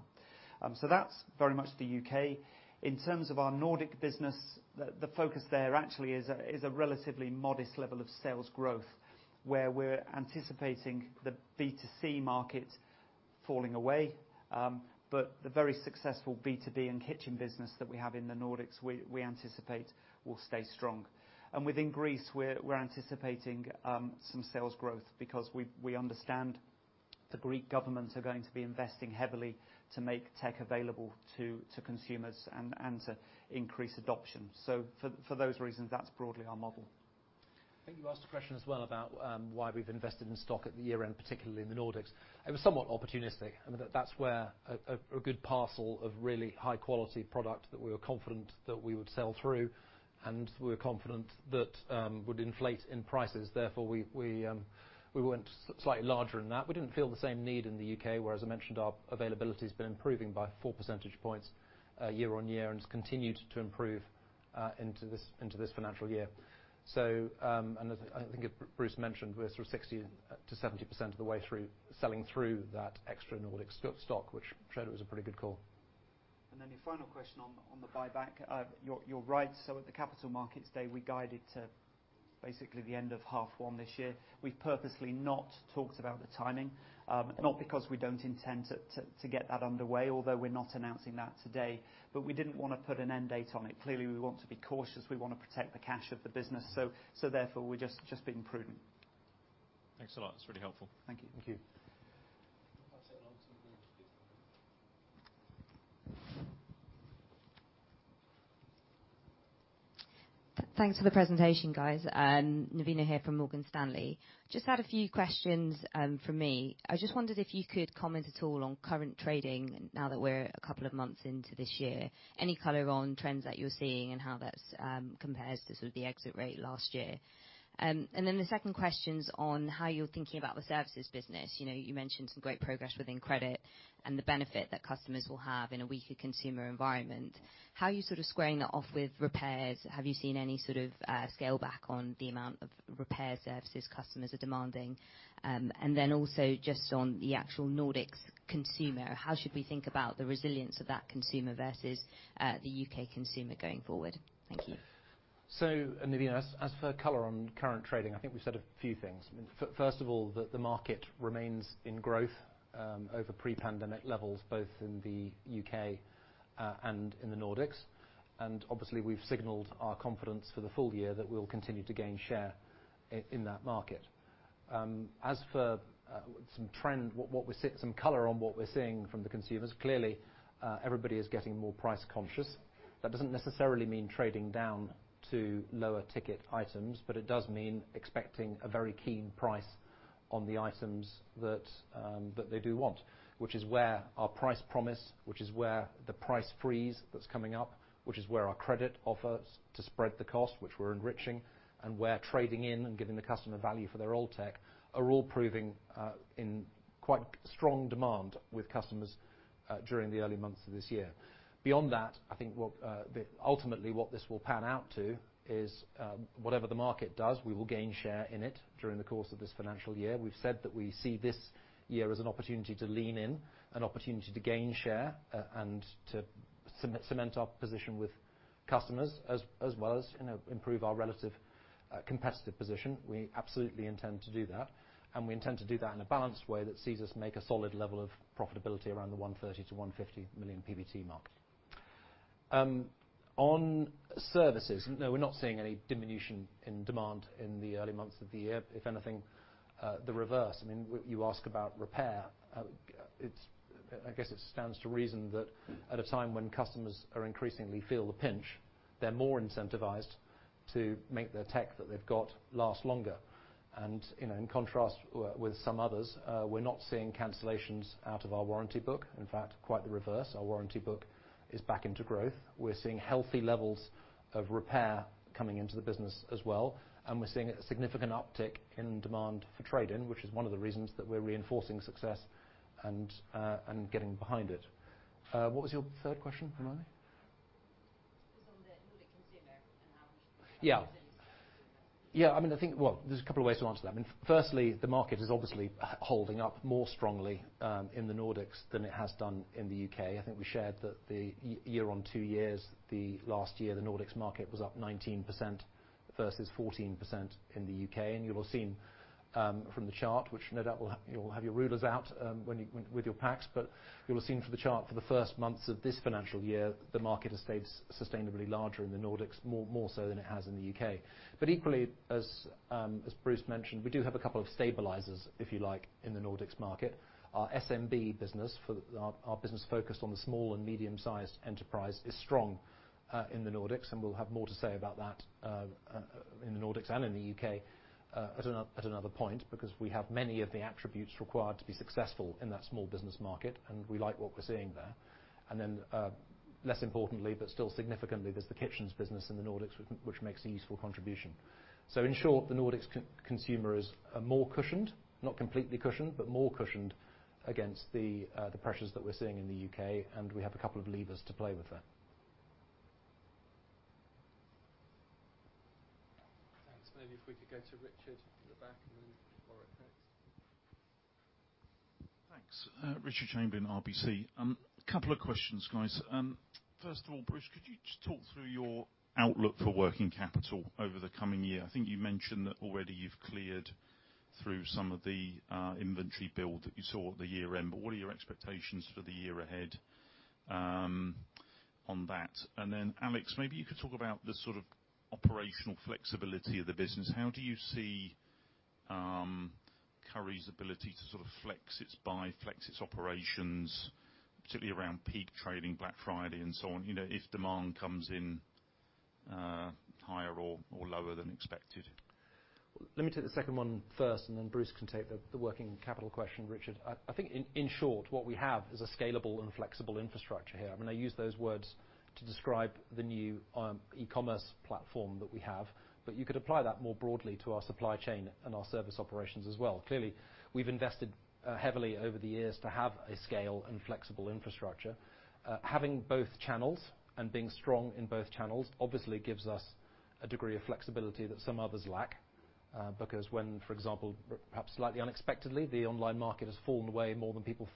That's very much the U.K. In terms of our Nordic business, the focus there actually is a relatively modest level of sales growth where we're anticipating the B2C market falling away. The very successful B2B and kitchen business that we have in the Nordics, we anticipate will stay strong. Within Greece, we're anticipating some sales growth because we understand the Greek government are going to be investing heavily to make tech available to consumers and to increase adoption. For those reasons, that's broadly our model. I think you asked a question as well about why we've invested in stock at the year-end, particularly in the Nordics. It was somewhat opportunistic. I mean, that's where a good parcel of really high quality product that we were confident that we would sell through, and we were confident that would inflate in prices. Therefore, we went slightly larger in that. We didn't feel the same need in the U.K., where, as I mentioned, our availability's been improving by 4 percentage points year-on-year and has continued to improve into this financial year. As I think it, Bruce mentioned we're sort of 60%-70% of the way through selling through that extra Nordic stock, which showed it was a pretty good call. Your final question on the buyback. You're right. At the Capital Markets Day, we guided to basically the end of half one this year. We've purposely not talked about the timing, not because we don't intend to get that underway, although we're not announcing that today, but we didn't wanna put an end date on it. Clearly, we want to be cautious. We wanna protect the cash of the business, so therefore we're just being prudent. Thanks a lot. That's really helpful. Thank you. Thank you. I'll take one to Navina. Thanks for the presentation, guys. Navina here from Morgan Stanley. Just had a few questions from me. I just wondered if you could comment at all on current trading now that we're a couple of months into this year. Any color on trends that you're seeing and how that compares to sort of the exit rate last year? The second question's on how you're thinking about the services business. You know, you mentioned some great progress within credit and the benefit that customers will have in a weaker consumer environment. How are you sort of squaring that off with repairs? Have you seen any sort of scale back on the amount of repair services customers are demanding? Just on the actual Nordics consumer, how should we think about the resilience of that consumer versus the U.K. consumer going forward? Thank you. Navina, as for color on current trading, I think we've said a few things. First of all, the market remains in growth over pre-pandemic levels, both in the U.K. And in the Nordics. Obviously, we've signaled our confidence for the full year that we'll continue to gain share in that market. As for some color on what we're seeing from the consumers, clearly, everybody is getting more price conscious. That doesn't necessarily mean trading down to lower ticket items, but it does mean expecting a very keen price on the items that they do want. Which is where our price promise, which is where the price freeze that's coming up, which is where our credit offers to spread the cost, which we're enriching, and we're trading in and giving the customer value for their old tech, are all proving in quite strong demand with customers during the early months of this year. Beyond that, I think ultimately what this will pan out to is whatever the market does, we will gain share in it during the course of this financial year. We've said that we see this year as an opportunity to lean in, an opportunity to gain share, and to cement our position with customers as well as, you know, improve our relative competitive position. We absolutely intend to do that, and we intend to do that in a balanced way that sees us make a solid level of profitability around the 130 million-150 million PBT mark. On services, no, we're not seeing any diminution in demand in the early months of the year. If anything, the reverse. I mean, you ask about repair. It's, I guess, it stands to reason that at a time when customers are increasingly feel the pinch, they're more incentivized to make their tech that they've got last longer. You know, in contrast with some others, we're not seeing cancellations out of our warranty book. In fact, quite the reverse. Our warranty book is back into growth. We're seeing healthy levels of repair coming into the business as well, and we're seeing a significant uptick in demand for trade-in, which is one of the reasons that we're reinforcing success and getting behind it. What was your third question, Navina? Yeah. Yeah. I mean, I think. Well, there's a couple of ways to answer that. I mean, firstly, the market is obviously holding up more strongly in the Nordics than it has done in the U.K. I think we shared that year on year, the last year, the Nordics market was up 19% versus 14% in the U.K. You will have seen from the chart, which no doubt will have, you'll have your rulers out when you with your packs. You'll have seen from the chart for the first months of this financial year, the market has stayed substantially larger in the Nordics, more so than it has in the U.K. Equally, as Bruce mentioned, we do have a couple of stabilizers, if you like, in the Nordics market. Our SMB business for... Our business focused on the small and medium sized enterprise is strong in the Nordics, and we'll have more to say about that in the Nordics and in the U.K. At another point, because we have many of the attributes required to be successful in that small business market, and we like what we're seeing there. Less importantly, but still significantly, there's the kitchens business in the Nordics, which makes a useful contribution. In short, the Nordics consumer is more cushioned, not completely cushioned, but more cushioned against the pressures that we're seeing in the U.K., and we have a couple of levers to play with there. Thanks. Maybe if we could go to Richard at the back, and then Laura next. Thanks. Richard Chamberlain, RBC. Couple of questions, guys. First of all, Bruce, could you just talk through your outlook for working capital over the coming year? I think you mentioned that already you've cleared through some of the inventory build that you saw at the year end, but what are your expectations for the year ahead, on that? And then Alex, maybe you could talk about the sort of operational flexibility of the business. How do you see Currys' ability to sort of flex its buy, flex its operations, particularly around peak trading, Black Friday and so on. You know, if demand comes in higher or lower than expected. Let me take the second one first, and then Bruce can take the working capital question, Richard. I think in short, what we have is a scalable and flexible infrastructure here. I mean, I use those words to describe the new e-commerce platform that we have. You could apply that more broadly to our supply chain and our service operations as well. Clearly, we've invested heavily over the years to have a scale and flexible infrastructure. Having both channels and being strong in both channels obviously gives us a degree of flexibility that some others lack, because when, for example, perhaps slightly unexpectedly, the online market has fallen away more than people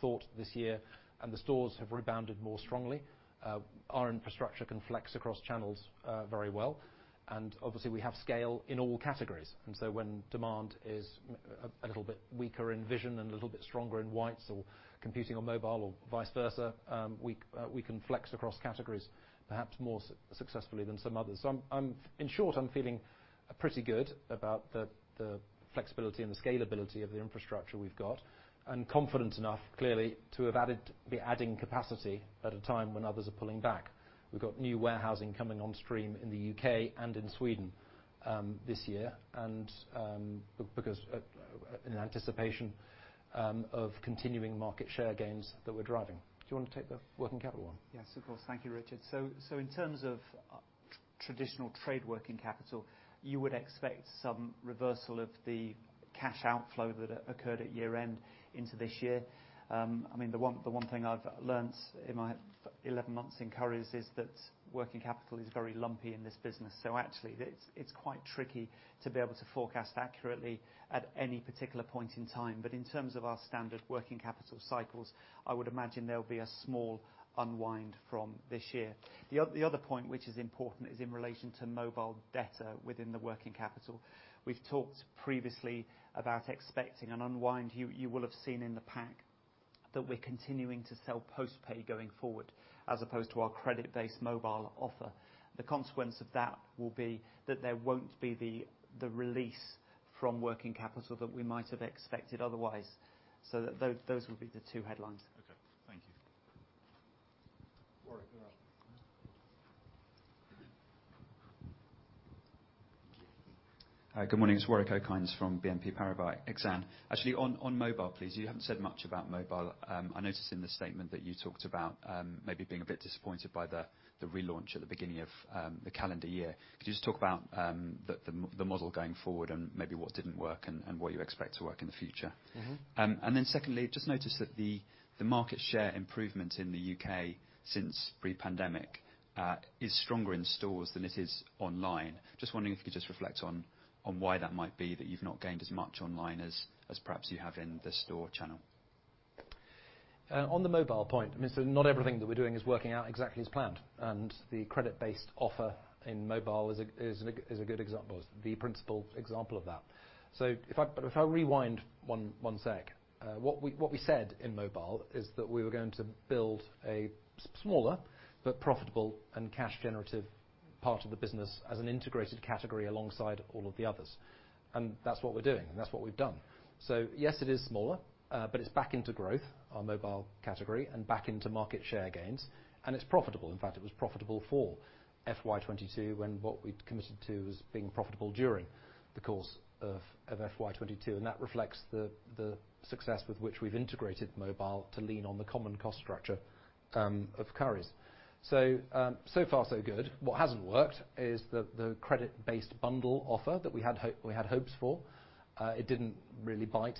thought this year, and the stores have rebounded more strongly. Our infrastructure can flex across channels very well. Obviously we have scale in all categories. When demand is a little bit weaker in vision and a little bit stronger in whites or competing on mobile or vice versa, we can flex across categories perhaps more successfully than some others. In short, I'm feeling pretty good about the flexibility and scalability of the infrastructure we've got, and confident enough, clearly, to be adding capacity at a time when others are pulling back. We've got new warehousing coming on stream in the U.K. and in Sweden this year. Because, in anticipation of continuing market share gains that we're driving. Do you want to take the working capital one? Yes, of course. Thank you, Richard. In terms of traditional trade working capital, you would expect some reversal of the cash outflow that occurred at year-end into this year. I mean, the one thing I've learned in my 11 months in Currys is that working capital is very lumpy in this business. Actually, it's quite tricky to be able to forecast accurately at any particular point in time. In terms of our standard working capital cycles, I would imagine there'll be a small unwind from this year. The other point which is important is in relation to mobile data within the working capital. We've talked previously about expecting an unwind. You will have seen in the pack that we're continuing to sell post-pay going forward, as opposed to our credit-based mobile offer. The consequence of that will be that there won't be the release from working capital that we might have expected otherwise. Those will be the two headlines. Okay. Thank you. Hi, good morning. It's Warwick Okines from BNP Paribas Exane. Actually on mobile, please, you haven't said much about mobile. I noticed in the statement that you talked about maybe being a bit disappointed by the relaunch at the beginning of the calendar year. Could you just talk about the model going forward and maybe what didn't work and what you expect to work in the future? Mm-hmm. Secondly, just noticed that the market share improvement in the U.K. since pre-pandemic is stronger in stores than it is online. Just wondering if you could just reflect on why that might be that you've not gained as much online as perhaps you have in the store channel. On the mobile point, I mean, not everything that we're doing is working out exactly as planned, and the credit-based offer in mobile is a good example. The principal example of that. If I rewind one sec. What we said in mobile is that we were going to build a smaller but profitable and cash generative part of the business as an integrated category alongside all of the others. That's what we're doing, and that's what we've done. Yes, it is smaller, but it's back into growth, our mobile category, and back into market share gains, and it's profitable. In fact, it was profitable for FY 2022, when what we'd committed to was being profitable during the course of FY 2022, and that reflects the success with which we've integrated mobile to lean on the common cost structure of Currys. So far so good. What hasn't worked is the credit-based bundle offer that we had hopes for. It didn't really bite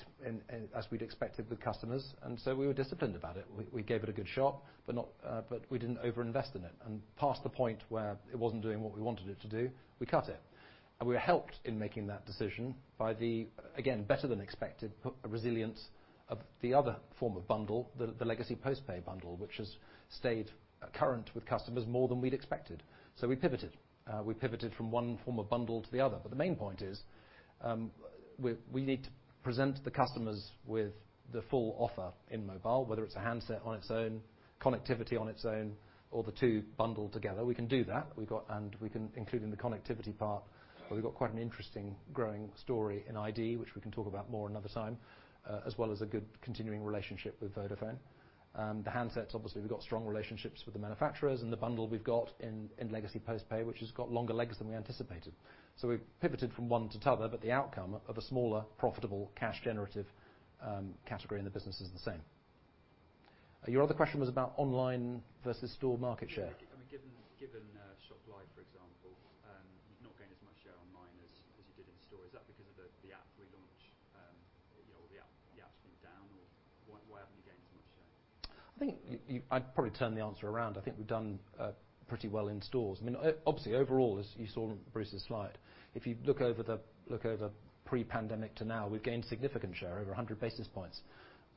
as we'd expected with customers, and so we were disciplined about it. We gave it a good shot, but we didn't overinvest in it. Past the point where it wasn't doing what we wanted it to do, we cut it. We were helped in making that decision by the, again, better than expected resilience of the other form of bundle, the legacy post-pay bundle, which has stayed current with customers more than we'd expected. We pivoted from one form of bundle to the other. The main point is, we need to present the customers with the full offer in mobile, whether it's a handset on its own, connectivity on its own, or the two bundled together. We can do that. We can include in the connectivity part where we've got quite an interesting growing story in iD, which we can talk about more another time, as well as a good continuing relationship with Vodafone. The handsets, obviously, we've got strong relationships with the manufacturers and the bundle we've got in legacy post-pay, which has got longer legs than we anticipated. We've pivoted from one to the other, but the outcome of a smaller, profitable, cash generative category in the business is the same. Your other question was about online versus store market share. Yeah. I mean, given ShopLive, for example, you've not gained as much share online as you did in store. Is that because of the app relaunch? I think I'd probably turn the answer around. I think we've done pretty well in stores. I mean, obviously, overall, as you saw on Bruce's slide, if you look over pre-pandemic to now, we've gained significant share, over 100 basis points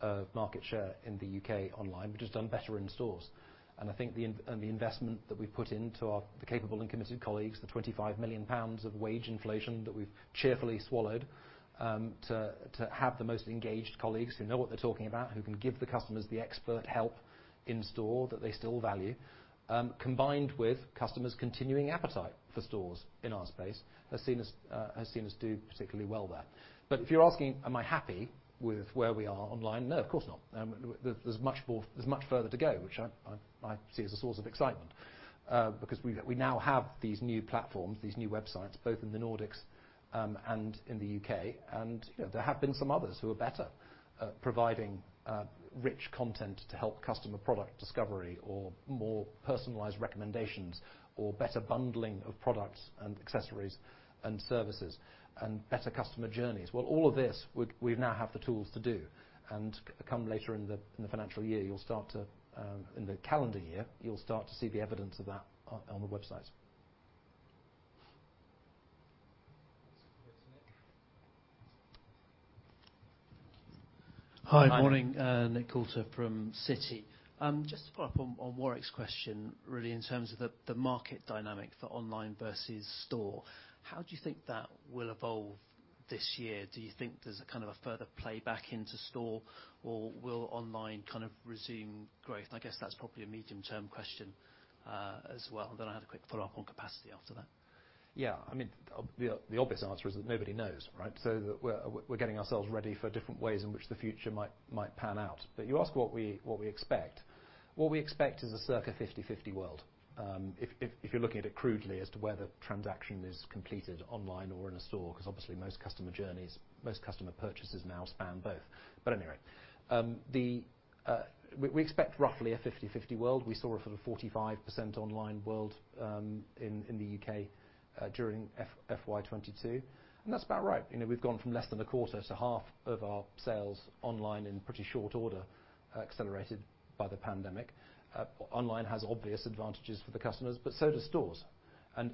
of market share in the U.K. online. We've just done better in stores. I think the investment that we've put into our capable and committed colleagues, the 25 million pounds of wage inflation that we've cheerfully swallowed, to have the most engaged colleagues who know what they're talking about, who can give the customers the expert help in store that they still value, combined with customers' continuing appetite for stores in our space has seen us do particularly well there. If you're asking, am I happy with where we are online? No, of course not. There's much more, much further to go, which I see as a source of excitement, because we now have these new platforms, these new websites, both in the Nordics and in the U.K. You know, there have been some others who are better at providing rich content to help customer product discovery or more personalized recommendations or better bundling of products and accessories and services and better customer journeys. Well, all of this, we now have the tools to do. Come later in the financial year, in the calendar year, you'll start to see the evidence of that on the website. Hi. Hi. Morning. Nick Coulter from Citi. Just to follow up on Warwick's question, really in terms of the market dynamic for online versus store. How do you think that will evolve this year? Do you think there's a kind of a further play back into store, or will online kind of resume growth? I guess that's probably a medium-term question, as well. I had a quick follow-up on capacity after that. Yeah. I mean, the obvious answer is that nobody knows, right? We're getting ourselves ready for different ways in which the future might pan out. You ask what we expect. What we expect is a circa 50/50 world. If you're looking at it crudely as to where the transaction is completed online or in a store, 'cause obviously most customer journeys, most customer purchases now span both. Anyway, we expect roughly a 50/50 world. We saw a sort of 45% online world in the U.K. during FY 2022, and that's about right. You know, we've gone from less than a quarter to half of our sales online in pretty short order, accelerated by the pandemic. Online has obvious advantages for the customers, but so do stores.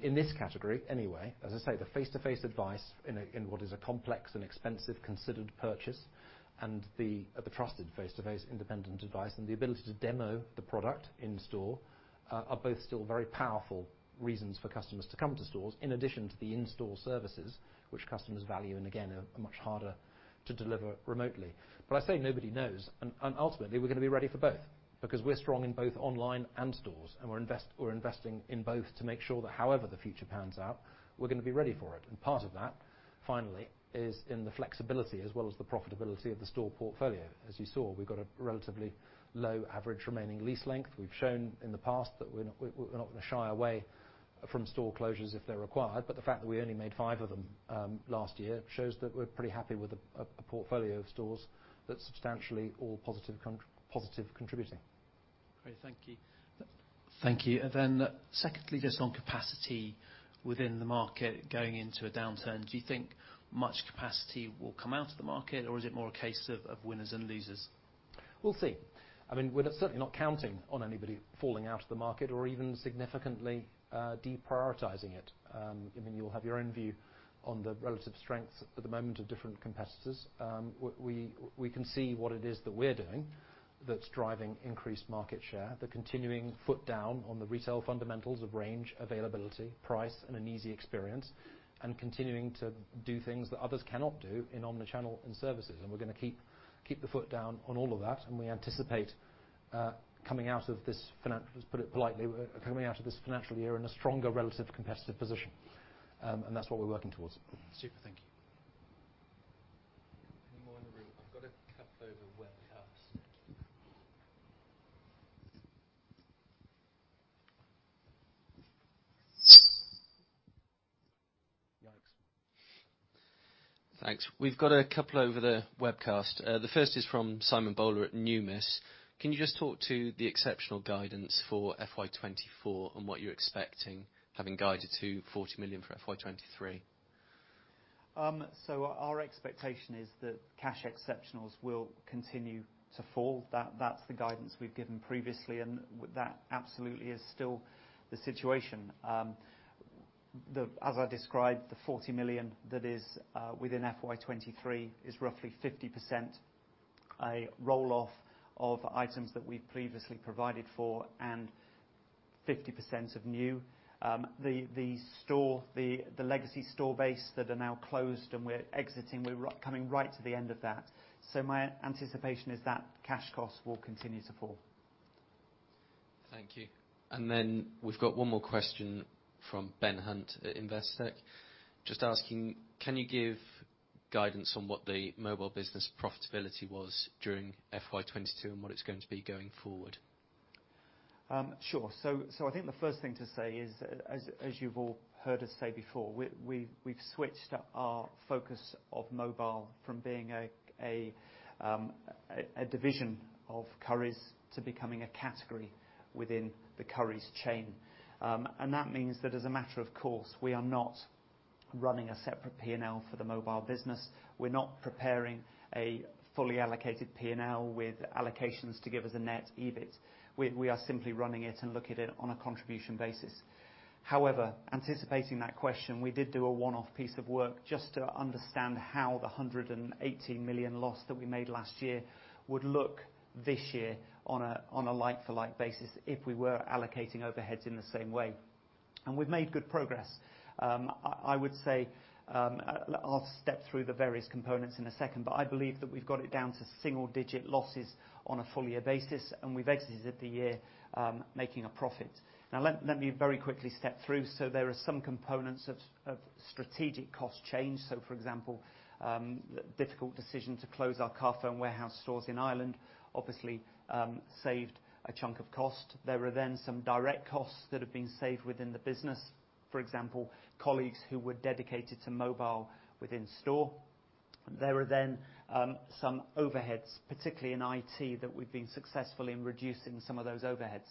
In this category, anyway, as I say, the face-to-face advice in what is a complex and expensive considered purchase and the trusted face-to-face independent advice and the ability to demo the product in store are both still very powerful reasons for customers to come to stores, in addition to the in-store services which customers value and again, are much harder to deliver remotely. I say nobody knows, and ultimately we're gonna be ready for both because we're strong in both online and stores, and we're investing in both to make sure that however the future pans out, we're gonna be ready for it. Part of that, finally, is in the flexibility as well as the profitability of the store portfolio. As you saw, we've got a relatively low average remaining lease length. We've shown in the past that we're not gonna shy away from store closures if they're required, but the fact that we only made five of them last year shows that we're pretty happy with the portfolio of stores that's substantially all positive contributing. Great. Thank you. Thank you. Secondly, just on capacity within the market going into a downturn, do you think much capacity will come out of the market, or is it more a case of winners and losers? We'll see. I mean, we're certainly not counting on anybody falling out of the market or even significantly deprioritizing it. I mean, you'll have your own view on the relative strengths at the moment of different competitors. We can see what it is that we're doing that's driving increased market share, the continuing foot down on the retail fundamentals of range, availability, price, and an easy experience, and continuing to do things that others cannot do in omni-channel and services. We're gonna keep the foot down on all of that, and we anticipate coming out of this financial year in a stronger relative competitive position. Let's put it politely. We're coming out of this financial year in a stronger relative competitive position, and that's what we're working towards. Super. Thank you. Any more in the room? I've got a couple over the webcast. The first is from Simon Bowler at Numis. Can you just talk to the exceptional guidance for FY 2024 and what you're expecting, having guided to 40 million for FY 2023? Our expectation is that cash exceptionals will continue to fall. That's the guidance we've given previously, and that absolutely is still the situation. As I described, the 40 million that is within FY 2023 is roughly 50% a roll-off of items that we previously provided for and 50% of new. The legacy store base that are now closed and we're exiting, we're coming right to the end of that. My anticipation is that cash costs will continue to fall. Thank you. We've got one more question from Ben Hunt at Investec, just asking, can you give guidance on what the mobile business profitability was during FY 2022 and what it's going to be going forward? Sure. I think the first thing to say is, as you've all heard us say before, we've switched our focus of mobile from being a division of Currys to becoming a category within the Currys chain. That means that as a matter of course, we are not running a separate P&L for the mobile business. We're not preparing a fully allocated P&L with allocations to give us a net EBIT. We are simply running it and look at it on a contribution basis. However, anticipating that question, we did do a one-off piece of work just to understand how the 180 million loss that we made last year would look this year on a like-for-like basis if we were allocating overheads in the same way. We've made good progress. I would say, I'll step through the various components in a second, but I believe that we've got it down to single-digit losses on a full year basis, and we've exited the year making a profit. Now, let me very quickly step through. There are some components of strategic cost change. For example, difficult decision to close our Carphone Warehouse stores in Ireland, obviously, saved a chunk of cost. There were then some direct costs that have been saved within the business. For example, colleagues who were dedicated to mobile within store. There are then some overheads, particularly in IT, that we've been successful in reducing some of those overheads.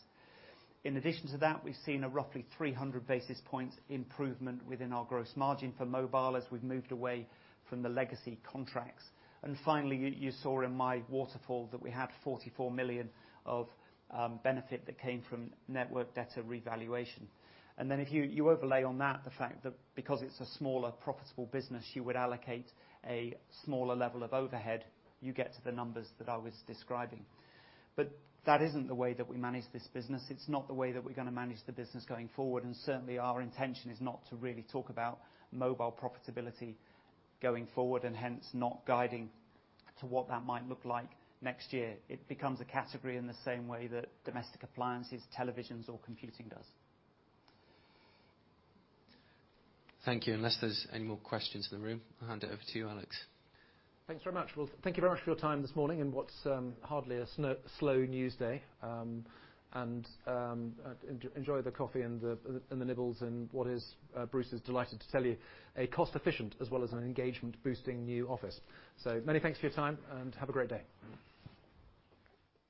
In addition to that, we've seen a roughly 300 basis points improvement within our gross margin for mobile as we've moved away from the legacy contracts. Finally, you saw in my waterfall that we had 44 million of benefit that came from network debtor revaluation. If you overlay on that the fact that because it's a smaller profitable business, you would allocate a smaller level of overhead, you get to the numbers that I was describing. That isn't the way that we manage this business. It's not the way that we're gonna manage the business going forward, and certainly, our intention is not to really talk about mobile profitability going forward, and hence not guiding to what that might look like next year. It becomes a category in the same way that domestic appliances, televisions, or computing does. Thank you. Unless there's any more questions in the room, I'll hand it over to you, Alex. Thanks very much. Well, thank you very much for your time this morning in what's hardly a slow news day. Enjoy the coffee and the nibbles in what is, Bruce is delighted to tell you, a cost-efficient as well as an engagement-boosting new office. Many thanks for your time, and have a great day.